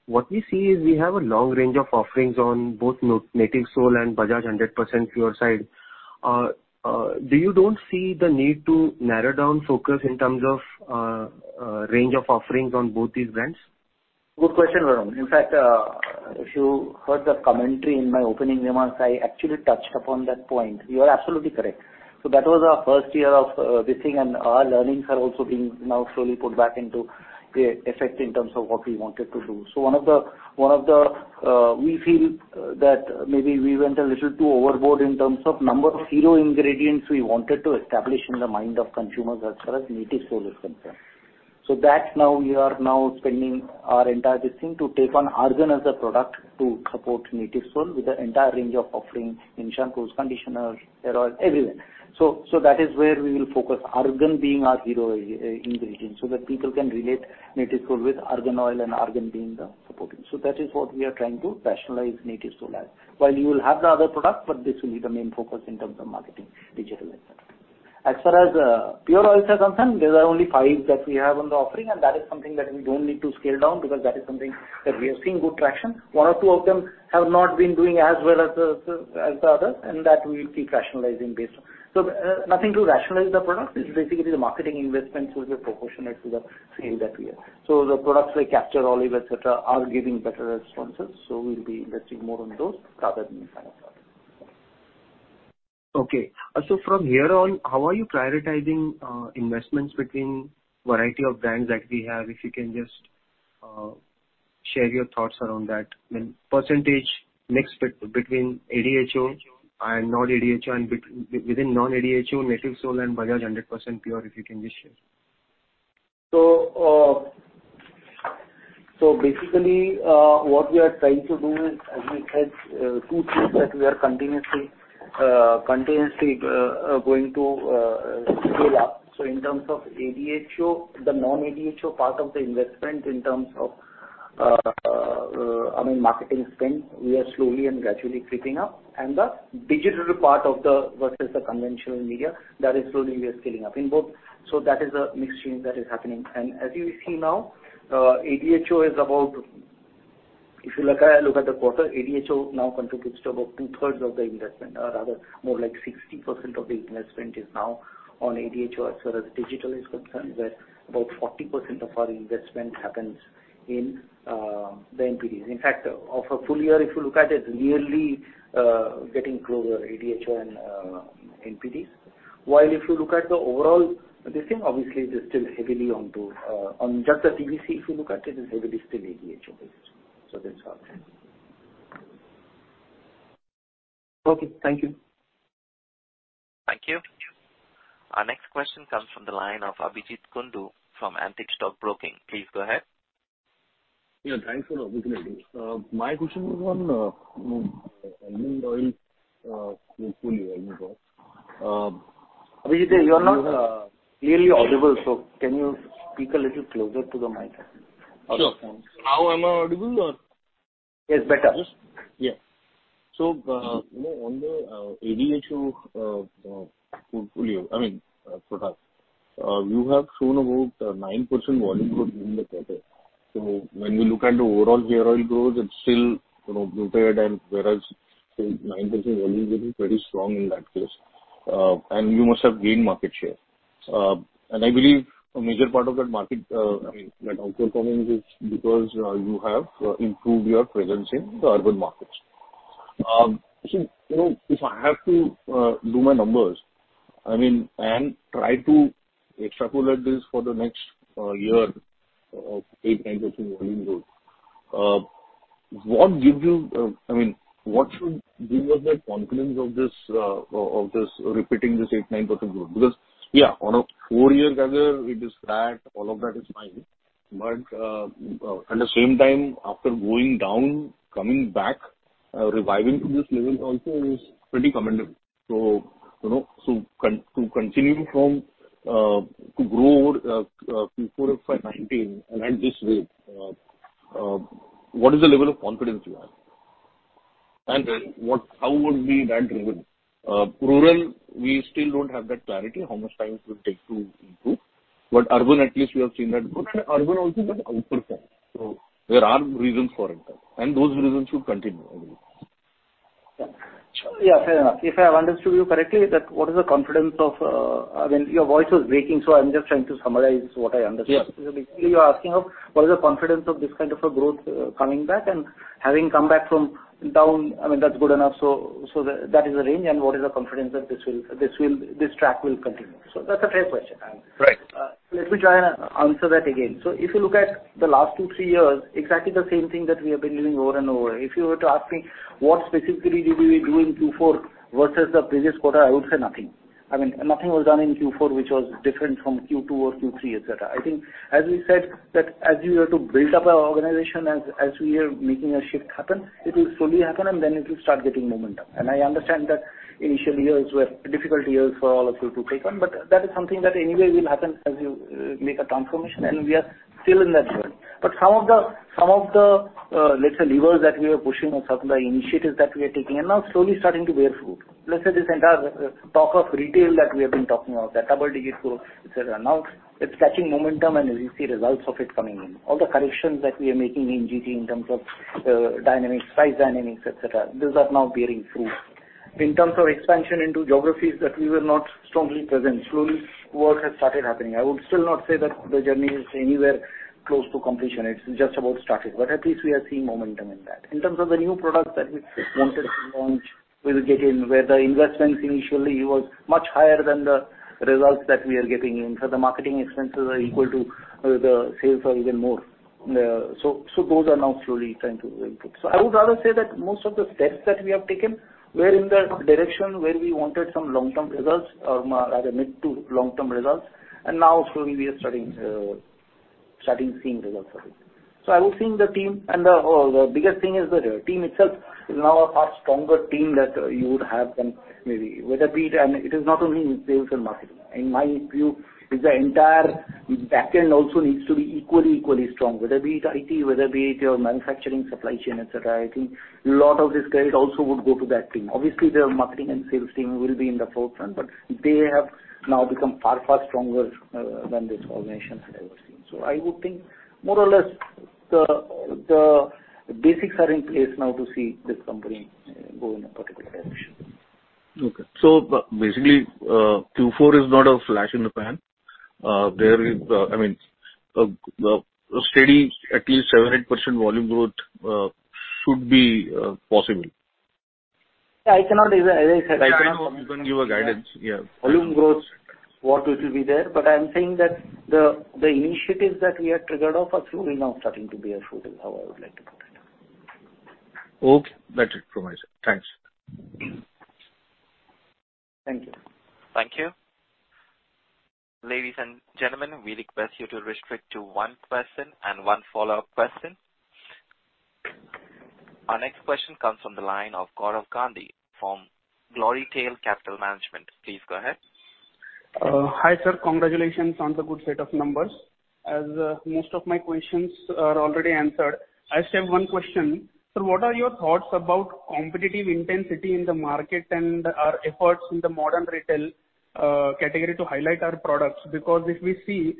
what we see is we have a long range of offerings on both Natyv Soul and Bajaj 100% Pure side. Do you don't see the need to narrow down focus in terms of range of offerings on both these brands? Good question, Varun. In fact, if you heard the commentary in my opening remarks, I actually touched upon that point. You are absolutely correct. That was our first year of this thing, and our learnings are also being now slowly put back into effect in terms of what we wanted to do. We feel that maybe we went a little too overboard in terms of number of hero ingredients we wanted to establish in the mind of consumers as far as Natyv Soul is concerned. That now we are now spending our entire testing to take on Argan as a product to support Natyv Soul with the entire range of offerings in shampoos, conditioners, hair oil, everywhere. That is where we will focus, Argan being our hero ingredient, so that people can relate Natyv Soul with Argan oil and Argan being the supporting. That is what we are trying to rationalize Natyv Soul as. While you will have the other products, but this will be the main focus in terms of marketing, digital etc. As far as pure oils are concerned, there are only five that we have on the offering, and that is something that we don't need to scale down because that is something that we are seeing good traction. One or two of them have not been doing as well as the others, and that we keep rationalizing based on. Nothing to rationalize the product. It's basically the marketing investments will be proportionate to the scale that we have. The products like Castor, Olive, etc, are giving better responses, so we'll be investing more on those rather than the other products. Okay. From here on, how are you prioritizing investments between variety of brands that we have? If you can just share your thoughts around that. I mean, percentage mix between ADHO and non-ADHO and within non-ADHO, Natyv Soul and Bajaj 100% Pure, if you can just share? Basically, what we are trying to do is, as we said, two things that we are continuously going to scale up. In terms of ADHO, the non-ADHO part of the investment in terms of, I mean, marketing spend, we are slowly and gradually creeping up. The digital part of the versus the conventional media, that is slowly we are scaling up in both. That is a mix change that is happening. As you see now, ADHO is about... If you look at the quarter, ADHO now contributes to about 2/3 of the investment, or rather more like 60% of the investment is now on ADHO as far as digital is concerned, where about 40% of our investment happens in the NPDs. Of a full year, if you look at it, nearly, getting closer ADHO and NPDs. If you look at the overall, this thing obviously is still heavily on to, on just the TVC, if you look at it's heavily still ADHO based. That's how it is. Okay. Thank you. Thank you. Our next question comes from the line of Abhijeet Kundu from Antique Stock Broking. Please go ahead. Yeah, thanks a lot. Good morning. My question is on oil portfolio. Abhijeet, you're not clearly audible, so can you speak a little closer to the mic? Sure. Now am I audible or? It's better. Yes. Yeah. You know, on the ADHO portfolio, I mean, product, you have shown about 9% volume growth in the quarter. When we look at the overall hair oil growth, it's still, you know, bloated and whereas, say, 9% volume growth is very strong in that case. You must have gained market share. I believe a major part of that market, I mean, that outperforming is because you have improved your presence in the urban markets. You know, if I have to do my numbers, I mean, and try to extrapolate this for the next year of 8%, 9% volume growth, what gives you, I mean, what should give you that confidence of this repeating this 8%, 9% growth? Because, yeah, on a full year gather, it is flat, all of that is fine. At the same time, after going down, coming back, reviving to this level also is pretty commendable. You know, to continue from to grow Q5 of 2019 and at this rate, what is the level of confidence you have? How would be that driven? Rural, we still don't have that clarity, how much time it will take to improve. Urban at least we have seen that growth and urban also has outperformed. There are reasons for it, and those reasons should continue, I believe. Yeah, fair enough. If I understood you correctly, that what is the confidence of, I mean, your voice was breaking, so I'm just trying to summarize what I understood. Yes. Basically, you're asking of what is the confidence of this kind of a growth, coming back and having come back from down, I mean, that's good enough. That is the range and what is the confidence that this track will continue. That's a fair question. Right. Let me try and answer that again. If you look at the last two, three years, exactly the same thing that we have been doing over and over. If you were to ask me what specifically did we do in Q4 versus the previous quarter, I would say nothing. I mean, nothing was done in Q4, which was different from Q2 or Q3, etc. I think as we said that as you have to build up our organization as we are making a shift happen, it will slowly happen and then it will start getting momentum. I understand that initial years were difficult years for all of you to take on, but that is something that anyway will happen as you make a transformation, and we are still in that journey. Some of the, let's say levers that we are pushing or some of the initiatives that we are taking are now slowly starting to bear fruit. Let's say this entire talk of retail that we have been talking of the double-digit growth, etc. Now it's catching momentum and as you see results of it coming in. All the corrections that we are making in GT in terms of dynamics, price dynamics, etc., those are now bearing fruit. In terms of expansion into geographies that we were not strongly present, slowly work has started happening. I would still not say that the journey is anywhere close to completion. It's just about started, but at least we are seeing momentum in that. In terms of the new products that we wanted to launch, we will get in where the investments initially was much higher than the results that we are getting in. The marketing expenses are equal to the sales or even more. Those are now slowly trying to input. I would rather say that most of the steps that we have taken were in the direction where we wanted some long-term results or rather mid to long-term results. Now slowly we are starting seeing results of it. I would think the team and the biggest thing is the team itself is now a far stronger team that you would have. It is not only in sales and marketing. In my view, it's the entire back end also needs to be equally strong, whether be it IT, whether be it your manufacturing, supply chain, etc. I think lot of this credit also would go to that team. Obviously, the marketing and sales team will be in the forefront, but they have now become far stronger than this organization had ever seen. I would think more or less the basics are in place now to see this company go in a particular direction. Okay. Basically, Q4 is not a flash in the pan. There is, I mean, a steady at least 700% volume growth should be possible. I cannot give a. You can give a guidance, yeah. Volume growth, I'm saying that the initiatives that we have triggered off are slowly now starting to bear fruit is how I would like to put it. Okay. That's it from my side. Thanks. Thank you. Thank you. Ladies and gentlemen, we request you to restrict to one question and one follow-up question. Our next question comes from the line of Gaurav Gandhi from Gloritail Capital Management. Please go ahead. Hi, sir. Congratulations on the good set of numbers. As most of my questions are already answered, I just have 1 question. Sir, what are your thoughts about competitive intensity in the market and our efforts in the modern retail category to highlight our products? Because if we see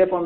Right.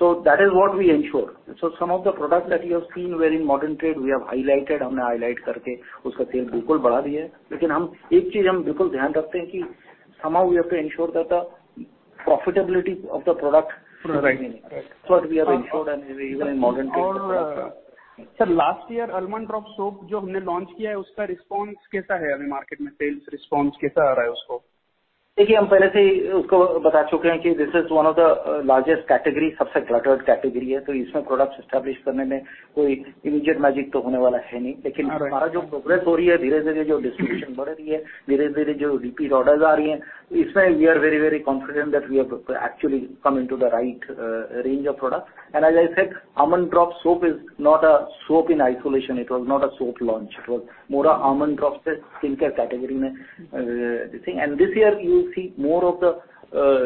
What we are ensured and even in modern trade products, sir. Sir, last year, Almond Drop soap jo humne launch kiya hai uska response kaisa hai abhi market mein? Sales response kaisa aa raha hai usko? We have already told that this is one of the largest category, the most cluttered category. To establish products in it, no immediate magic is going to happen. Our progress is slowly increasing the distribution, slowly the repeat orders are coming. In this, we are very, very confident that we have actually come into the right range of products. As I said, Almond Drops soap is not a soap in isolation. It was not a soap launch. It was more of Almond Drops skin care category thing. This year you will see more of the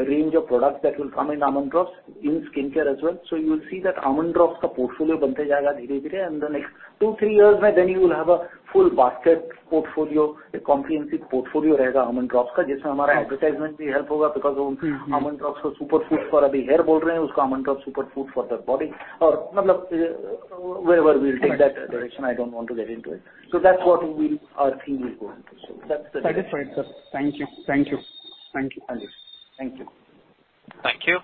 range of products that will come in Almond Drops in skincare as well. You will see that Almond Drops portfolio will be slowly created, and in the next two, three years, then you will have a full basket portfolio, a comprehensive portfolio of Almond Drops, in which our advertisement will also help because Almond Drops superfood for hair, Almond Drops superfood for the body, or wherever we will take that direction, I don't want to get into it. That's what our team will go into. That's the direction. Clarified, sir. Thank you. Thank you. Thank you. Thank you. Thank you.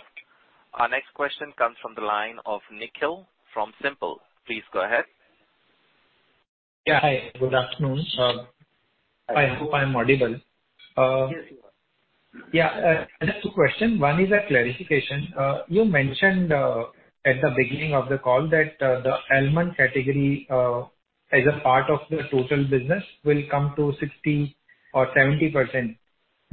Our next question comes from the line of Nikhil from SIMPL. Please go ahead. Yeah. Hi, good afternoon. I hope I'm audible. Yes, you are. I have two question. One is a clarification. You mentioned at the beginning of the call that the Almond category as a part of the total business will come to 60% or 70%.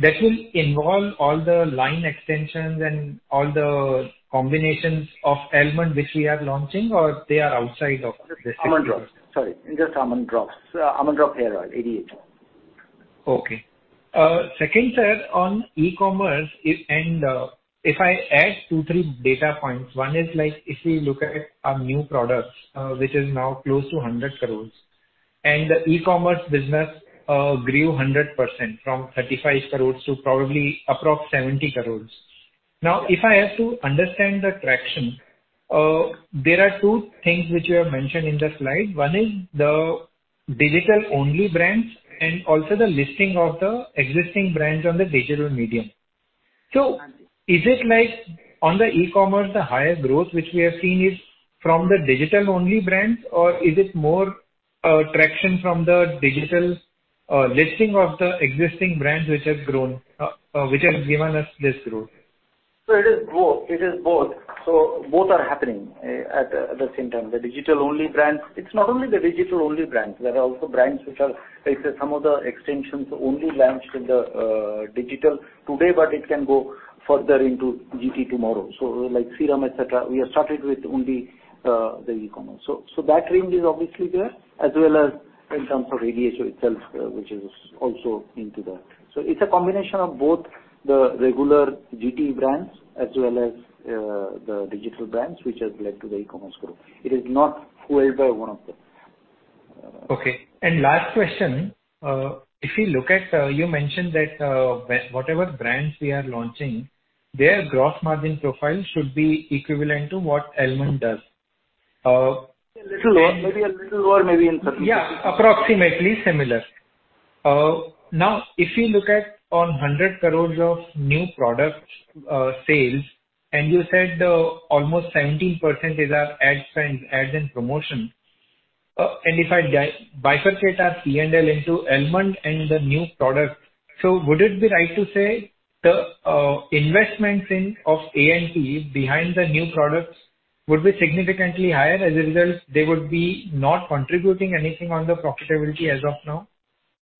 That will involve all the line extensions and all the combinations of Almond which we are launching, or they are outside of the. Almond Drops. Sorry, just Almond Drops. Almond Drops Hair Oil, ADHO. Okay. Second, sir, on e-commerce, if and, if I add two, three data points, one is like, if we look at our new products, which is now close to 100 crore, and the e-commerce business grew 100% from 35 crore to probably approx 70 crore. Now, if I have to understand the traction, there are two things which you have mentioned in the slide. One is the digital-only brands and also the listing of the existing brands on the digital medium. Is it like on the e-commerce, the higher growth which we have seen is from the digital-only brands, or is it more traction from the digital listing of the existing brands which have grown, which has given us this growth? It is both. It is both. Both are happening at the same time. The digital-only brands. It's not only the digital-only brands. There are also brands which are, let's say some of the extensions only launched in the digital today, but it can go further into GT tomorrow. Like serum, etc, we have started with only the e-commerce. That range is obviously there as well as in terms of ADHO itself, which is also into that. It's a combination of both the regular GT brands as well as the digital brands which has led to the e-commerce group. It is not fueled by one of them. Okay. Last question. If you look at, you mentioned that, whatever brands we are launching, their gross margin profile should be equivalent to what Almond does. A little less. Maybe a little lower, maybe in certain cases. Approximately similar. Now if you look at on 100 crores of new products sales, and you said almost 17% is our ad spend, ads and promotion. If I bifurcate our P&L into Almond and the new products. Would it be right to say the investments in of A&P behind the new products would be significantly higher, as a result, they would be not contributing anything on the profitability as of now?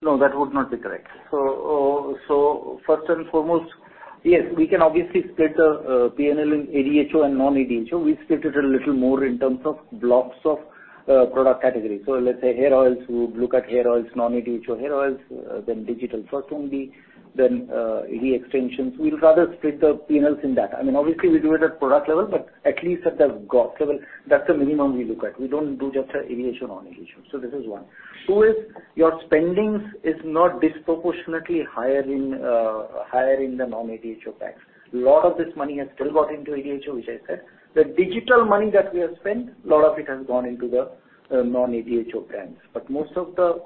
That would not be correct. First and foremost, yes, we can obviously split the P&L in ADHO and non-ADHO. We split it a little more in terms of blocks of product category. Let's say hair oils. We would look at hair oils, non-ADHO hair oils, then digital for Tungi, then ad extensions. We'll rather split the P&Ls in that. I mean, obviously we do it at product level, but at least at the gross level, that's the minimum we look at. We don't do just ADHO, non-ADHO. This is one. Two is your spendings is not disproportionately higher in the non-ADHO packs. Lot of this money has still got into ADHO, which I said. The digital money that we have spent, a lot of it has gone into the non-ADHO brands. Most of the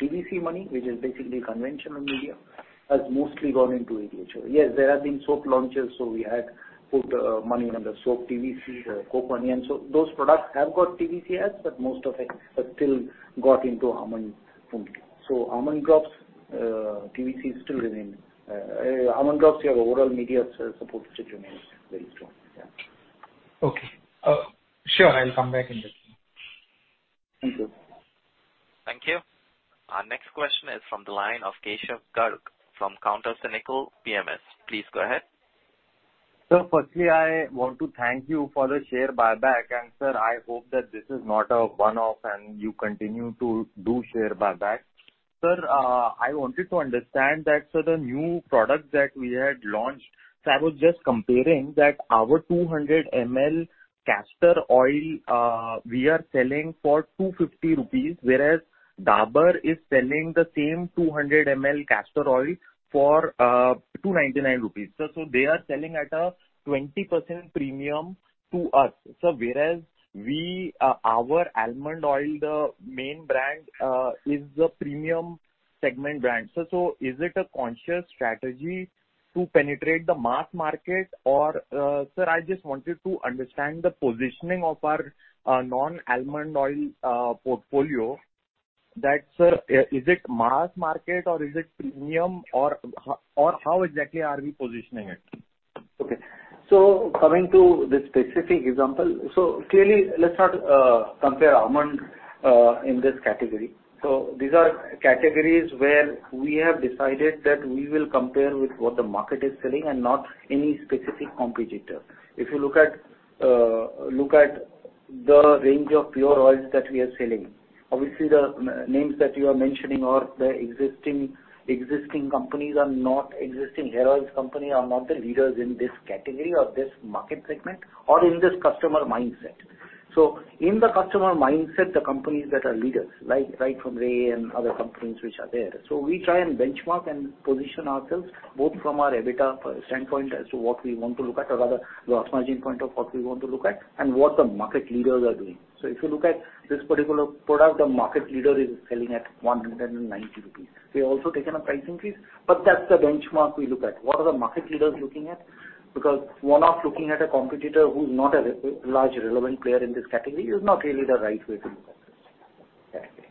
TVC money, which is basically conventional media, has mostly gone into ADHO. Yes, there have been soap launches, so we had put money on the soap TVC, Coke money. Those products have got TVC ads, but most of it has still got into Almond Drops. Almond Drops TVC still remain. Almond Drops, your overall media support still remains very strong. Yeah. Okay. Sure. I'll come back in this one. Thank you. Thank you. Our next question is from the line of Keshav Garg from Counter Cyclical PMS. Please go ahead. Sir, firstly, I want to thank you for the share buyback. Sir, I hope that this is not a one-off and you continue to do share buyback. Sir, I wanted to understand that, the new product that we had launched. I was just comparing that our 200 ml Castor Oil, we are selling for INR 250, whereas Dabur is selling the same 200 ml Castor Oil for INR 299. They are selling at a 20% premium to us. Whereas we, our Almond Oil, the main brand, is the premium segment brand. Is it a conscious strategy to penetrate the mass market or, sir, I just wanted to understand the positioning of our non-Almond Oil portfolio. That, sir, is it mass market or is it premium or how exactly are we positioning it? Coming to the specific example. Clearly, let's not compare almond in this category. These are categories where we have decided that we will compare with what the market is selling and not any specific competitor. If you look at the range of pure oils that we are selling, obviously the names that you are mentioning are the existing companies are not existing hair oils company are not the leaders in this category or this market segment or in this customer mindset. In the customer mindset, the companies that are leaders, like right of way and other companies which are there. We try and benchmark and position ourselves both from our EBITDA standpoint as to what we want to look at, or rather gross margin point of what we want to look at and what the market leaders are doing. If you look at this particular product, the market leader is selling at 190 rupees. We also taken a pricing freeze, but that's the benchmark we look at. What are the market leaders looking at? One of looking at a competitor who's not a re-large relevant player in this category is not really the right way to look at this category.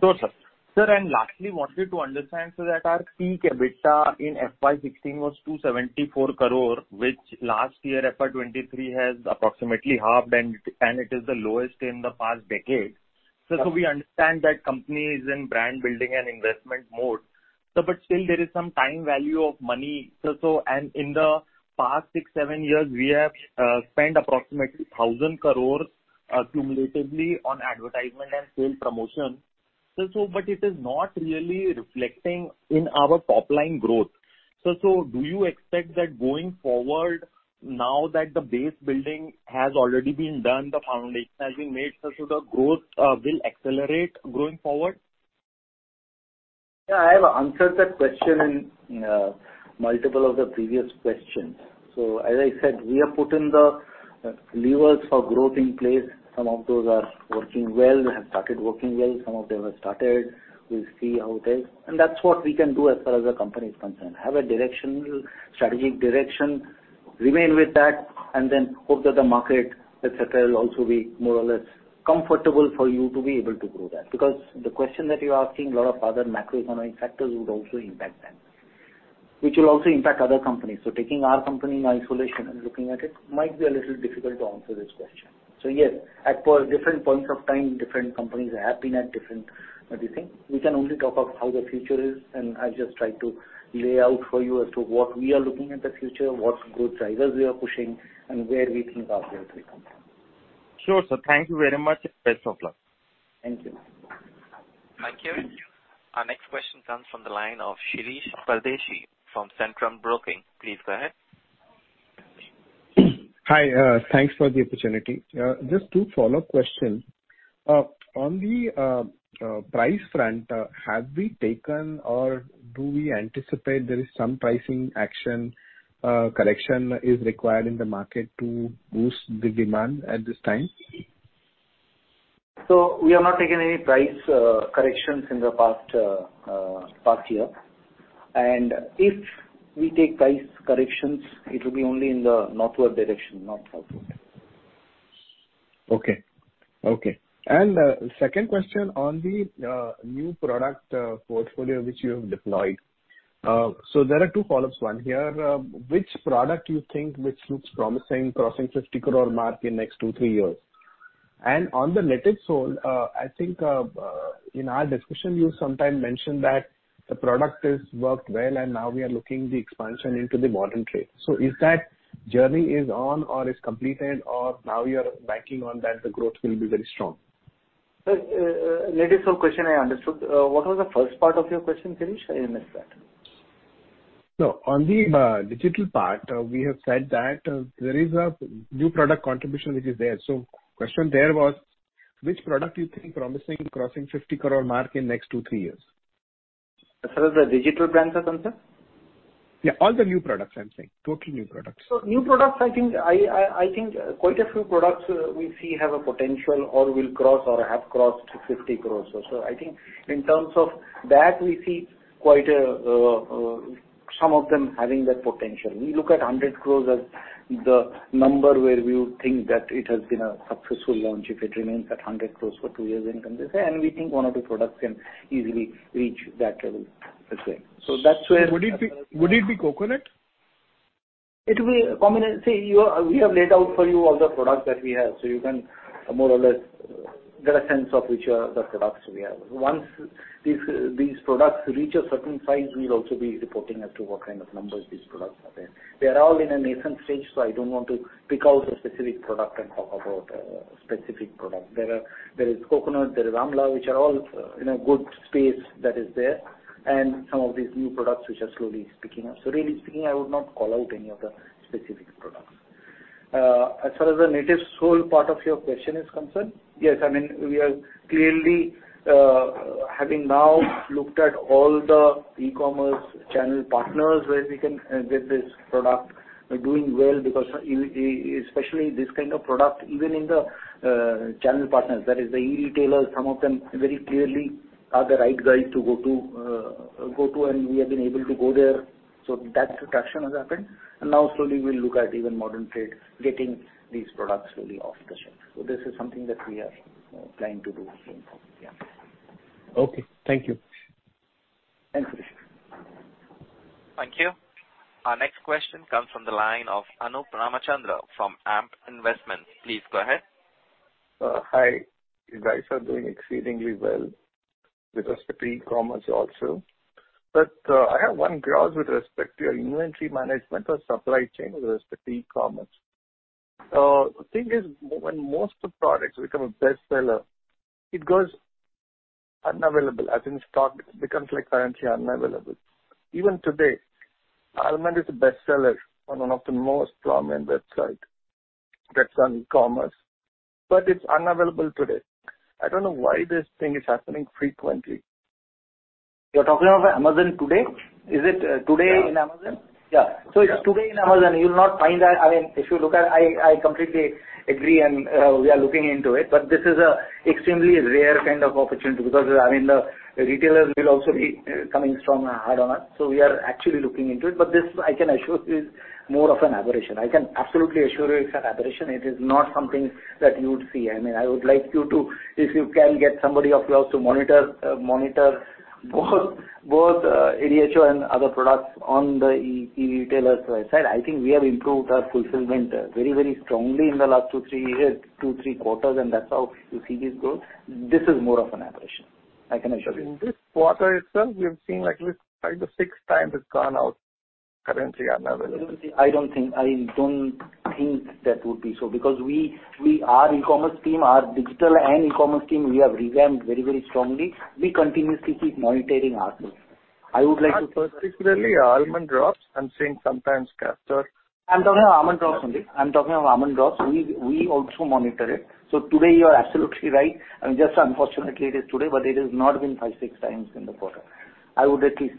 Sure, sir. Sir, lastly, wanted to understand, our peak EBITDA in FY2016 was 274 crore, which last year, FY2023 has approximately halved and it is the lowest in the past decade. Correct. We understand that company is in brand building and investment mode. But still there is some time value of money. In the past 6-7 years, we have spent approximately 1,000 crore accumulatively on advertisement and sale promotion. It is not really reflecting in our top line growth. Do you expect that going forward now that the base building has already been done, the foundation has been made, the growth will accelerate going forward? Yeah, I have answered that question in multiple of the previous questions. As I said, we have put in the levers for growth in place. Some of those are working well, have started working well, some of them have started. We'll see how it is. That's what we can do as far as the company is concerned. Have a directional, strategic direction, remain with that, and then hope that the market, etc, will also be more or less comfortable for you to be able to grow that. The question that you're asking, a lot of other macroeconomic factors would also impact them, which will also impact other companies. Taking our company in isolation and looking at it might be a little difficult to answer this question. Yes, at different points of time, different companies have been at different, do you think? We can only talk of how the future is, and I'll just try to lay out for you as to what we are looking at the future, what growth drivers we are pushing and where we think our growth will come from. Sure, sir. Thank you very much. Best of luck. Thank you. Thank you. Our next question comes from the line of Shirish Pardeshi from Centrum Broking. Please go ahead. Hi, thanks for the opportunity. Just two follow-up question. On the price front, have we taken or do we anticipate there is some pricing action, correction is required in the market to boost the demand at this time? We have not taken any price corrections in the past year. And if we take price corrections, it will be only in the northward direction, not southward. Okay. Okay. Second question on the new product portfolio which you have deployed. There are two follow-ups. One here, which product you think which looks promising crossing 50 crore mark in next two, three years? On the Natyv Soul, I think in our discussion, you sometime mentioned that the product is worked well and now we are looking the expansion into the modern trade. Is that journey is on or is completed or now you are banking on that the growth will be very strong? Sir, Natyv Soul question I understood. What was the first part of your question, Shirish? I missed that. No. On the digital part, we have said that, there is a new product contribution which is there. Question there was which product you think promising crossing 50 crore mark in next two to three years? As far as the digital brands are concerned, sir? Yeah, all the new products I'm saying. Totally new products. New products, I think, I think quite a few products, we see have a potential or will cross or have crossed 50 crore or so. I think in terms of that, we see quite, some of them having that potential. We look at 100 crores as the number where we would think that it has been a successful launch if it remains at 100 crores for two years in terms of sale. We think one or two products can easily reach that level, let's say. That's where. Would it be Coconut? It will be a combination. See, we have laid out for you all the products that we have. You can more or less get a sense of which are the products we have. Once these products reach a certain size, we'll also be reporting as to what kind of numbers these products are there. They are all in a nascent stage, so I don't want to pick out a specific product and talk about a specific product. There is Coconut, there is Amla, which are all in a good space that is there, and some of these new products which are slowly picking up. Really speaking, I would not call out any of the specific products. As far as the Natyv Soul part of your question is concerned, yes, I mean, we are clearly having now looked at all the e-commerce channel partners where we can get this product doing well because e- especially this kind of product, even in the channel partners, that is the e-retailers, some of them very clearly are the right guys to go to, go to, and we have been able to go there. That traction has happened. Now slowly we'll look at even modern trade getting these products really off the shelf. This is something that we are planning to do going forward, yeah. Okay, thank you. Thanks, Shirish. Thank you. Our next question comes from the line of Anup Ramachandra from AMP Investment. Please go ahead. Hi. You guys are doing exceedingly well with respect to e-commerce also. I have one clause with respect to your inventory management or supply chain with respect to e-commerce. The thing is when most of the products become a bestseller, it goes unavailable as in stock becomes like currently unavailable. Even today, Almond is a bestseller on one of the most prominent website that's on e-commerce, but it's unavailable today. I don't know why this thing is happening frequently. You're talking of Amazon today? Is it? Yeah. in Amazon? Yeah. Yeah. If today in Amazon, you'll not find that. I mean, if you look at. I completely agree and we are looking into it, but this is a extremely rare kind of opportunity because, I mean, the retailers will also be coming strong hard on us, we are actually looking into it. This I can assure you is more of an aberration. I can absolutely assure you it's an aberration. It is not something that you would see. I mean, I would like you to, if you can get somebody of yours to monitor both ADHO and other products on the e-retailer side. I think we have improved our fulfillment very strongly in the last two, three years, two, three quarters, and that's how you see these growth. This is more of an aberration. I can assure you. In this quarter itself, we have seen like at least five to 6x it's gone out currently unavailable. I don't think that would be so because we, our e-commerce team, our digital and e-commerce team, we have revamped very strongly. We continuously keep monitoring ourself. I would like to. Not particularly Almond Drops. I'm seeing sometimes Castor. I'm talking of Almond Drops only. I'm talking of Almond Drops. We also monitor it. Today you are absolutely right. I mean, just unfortunately it is today, but it has not been five, 6xs in the quarter. I would at least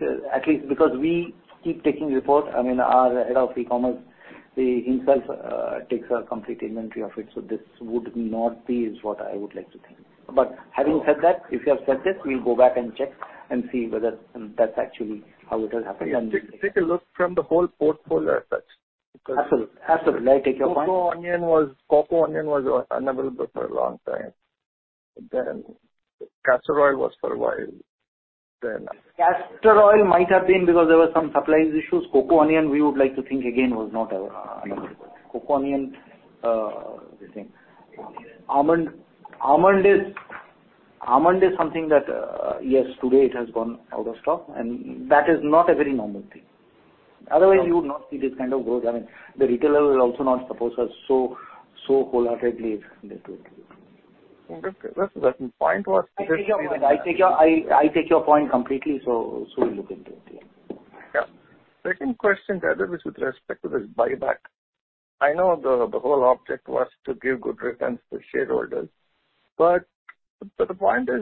because we keep taking report, I mean, our head of e-commerce, he himself takes a complete inventory of it, this would not be is what I would like to think. Having said that, if you have said this, we'll go back and check and see whether that's actually how it has happened and- Take a look from the whole portfolio as such. Absolutely. Absolutely. I take your point. Coco Onion was unavailable for a long time. Castor Oil was for a while. Castor Oil might have been because there were some supplies issues. Coco Onion, we would like to think again was not available. Coco Onion, let me think. Almond is something that, yes, today it has gone out of stock and that is not a very normal thing. Otherwise, you would not see this kind of growth. I mean, the retailer will also not suppose us so wholeheartedly if they do it. Okay. The point was. I take your point. I take your point completely, so we'll look into it, yeah. Second question rather is with respect to this buyback. I know the whole object was to give good returns to shareholders, but the point is,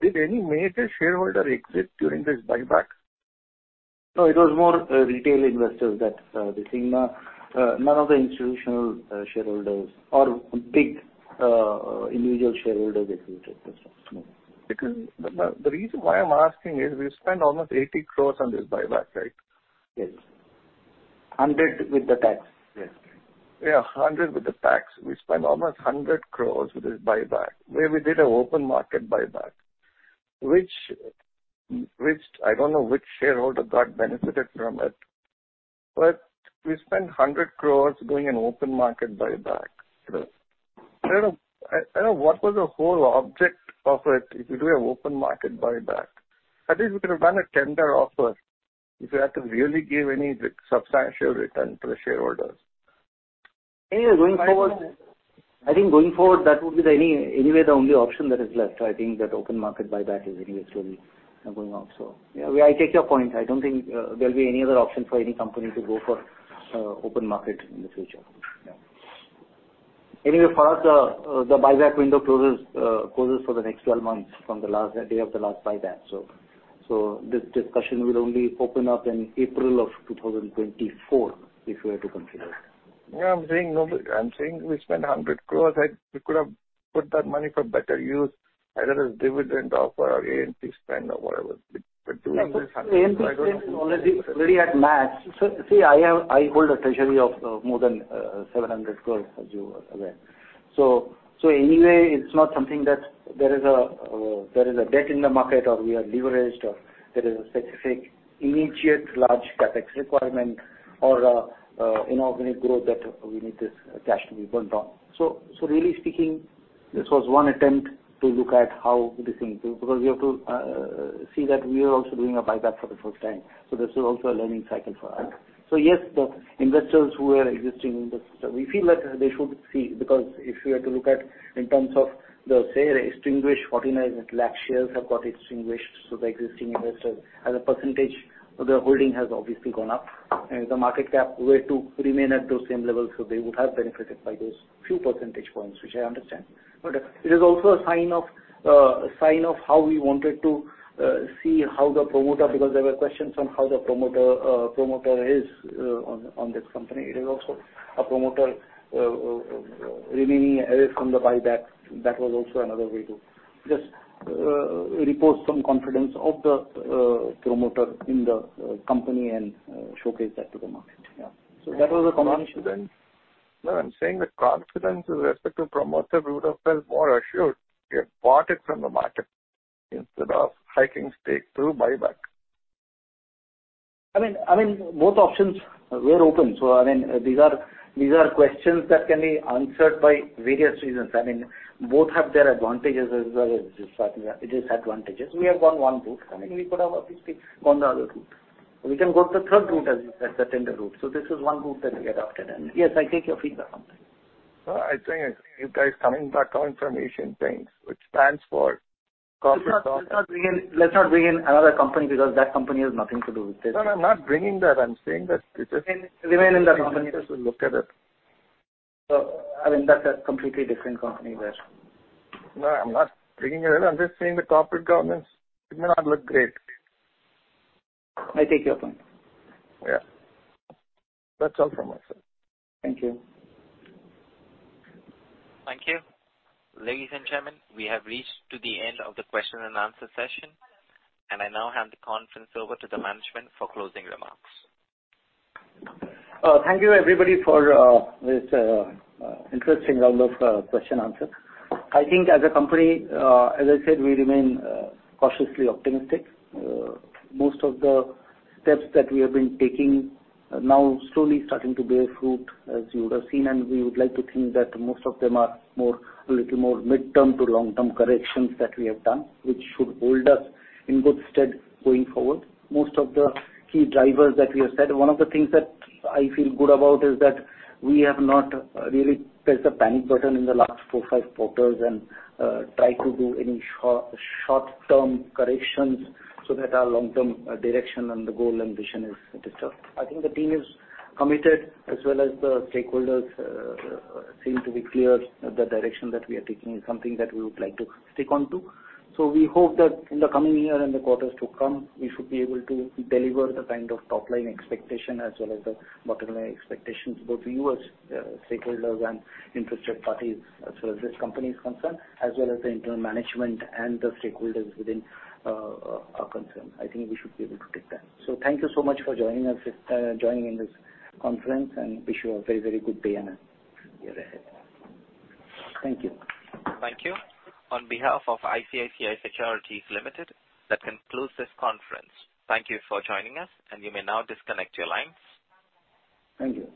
did any major shareholder exit during this buyback? No, it was more, retail investors that, this thing. None of the institutional, shareholders or big, individual shareholders exited this one. No. The reason why I'm asking is we spent almost 80 crores on this buyback, right? Yes. 100 with the tax. Yes. Yeah, 100 with the tax. We spent almost 100 crores with this buyback, where we did an open market buyback. Which I don't know which shareholder got benefited from it, but we spent 100 crores doing an open market buyback. Yes. I don't know what was the whole object of it if you do an open market buyback. At least we could have done a tender offer if you had to really give any substantial return to the shareholders. Anyway, going forward. I don't know. I think going forward that would be the only, anyway the only option that is left. I think that open market buyback is anyway slowly going out, so. Yeah, I take your point. I don't think there'll be any other option for any company to go for open market in the future. Yeah. Anyway, for us, the buyback window closes for the next 12 months from the last day of the last buyback. This discussion will only open up in April of 2024 if we were to consider. Yeah, I'm saying no. I'm saying we spent 100 crores. We could have put that money for better use, either as dividend offer or A&P spend or whatever. Doing this INR 100 crores, I don't know. A&P spend is already at max. See, I hold a treasury of more than 700 crores, as you are aware. Anyway, it's not something that there is a debt in the market or we are leveraged or there is a specific immediate large CapEx requirement or a inorganic growth that we need this cash to be burnt on. Really speaking, this was one attempt to look at how this thing, because we have to see that we are also doing a buyback for the first time. This is also a learning cycle for us. Right. Yes, the investors who are existing investors, we feel that they should see because if you were to look at in terms of the, say, extinguished, 49 lakh shares have got extinguished. The existing investors as a percentage of their holding has obviously gone up. If the market cap were to remain at those same levels, they would have benefited by those few percentage points, which I understand. It is also a sign of sign of how we wanted to see how the promoter, because there were questions on how the promoter is on this company. It is also a promoter remaining away from the buyback. That was also another way to just repose some confidence of the promoter in the company and showcase that to the market. Yeah. That was the combination. No, I'm saying the confidence with respect to promoter, we would have felt more assured we have bought it from the market instead of hiking stake through buyback. I mean, both options were open. I mean, these are questions that can be answered by various reasons. I mean, both have their advantages as well as disadvantages. We have gone one route. I mean, we could have obviously gone the other route. We can go to the third route as the tender route. This is one route that we adopted, and yes, I take your feedback on that. No, I think you guys coming back from Asian Paints, which stands for corporate governance- Let's not bring in another company because that company has nothing to do with this. No, no, I'm not bringing that. I'm saying that it's. Remain in the company. investors will look at it. I mean, that's a completely different company there. No, I'm not bringing it up. I'm just saying the corporate governance, it may not look great. I take your point. Yeah. That's all from my side. Thank you. Thank you. Ladies and gentlemen, we have reached to the end of the question and answer session, and I now hand the conference over to the management for closing remarks. Thank you, everybody, for this interesting round of question answer. I think as a company, as I said, we remain cautiously optimistic. Most of the steps that we have been taking are now slowly starting to bear fruit, as you would have seen, and we would like to think that most of them are more, a little more mid-term to long-term corrections that we have done, which should hold us in good stead going forward. Most of the key drivers that we have said, one of the things that I feel good about is that we have not really pressed the panic button in the last four, five quarters and tried to do any short-term corrections so that our long-term direction and the goal and vision is disturbed. I think the team is committed as well as the stakeholders, seem to be clear the direction that we are taking is something that we would like to stick on to. We hope that in the coming year and the quarters to come, we should be able to deliver the kind of top-line expectation as well as the bottom-line expectations, both to you as, stakeholders and interested parties as well as this company is concerned, as well as the internal management and the stakeholders within, are concerned. I think we should be able to take that. Thank you so much for joining in this conference, and wish you a very, very good day and year ahead. Thank you. Thank you. On behalf of ICICI Securities Limited, that concludes this conference. Thank you for joining us. You may now disconnect your lines. Thank you.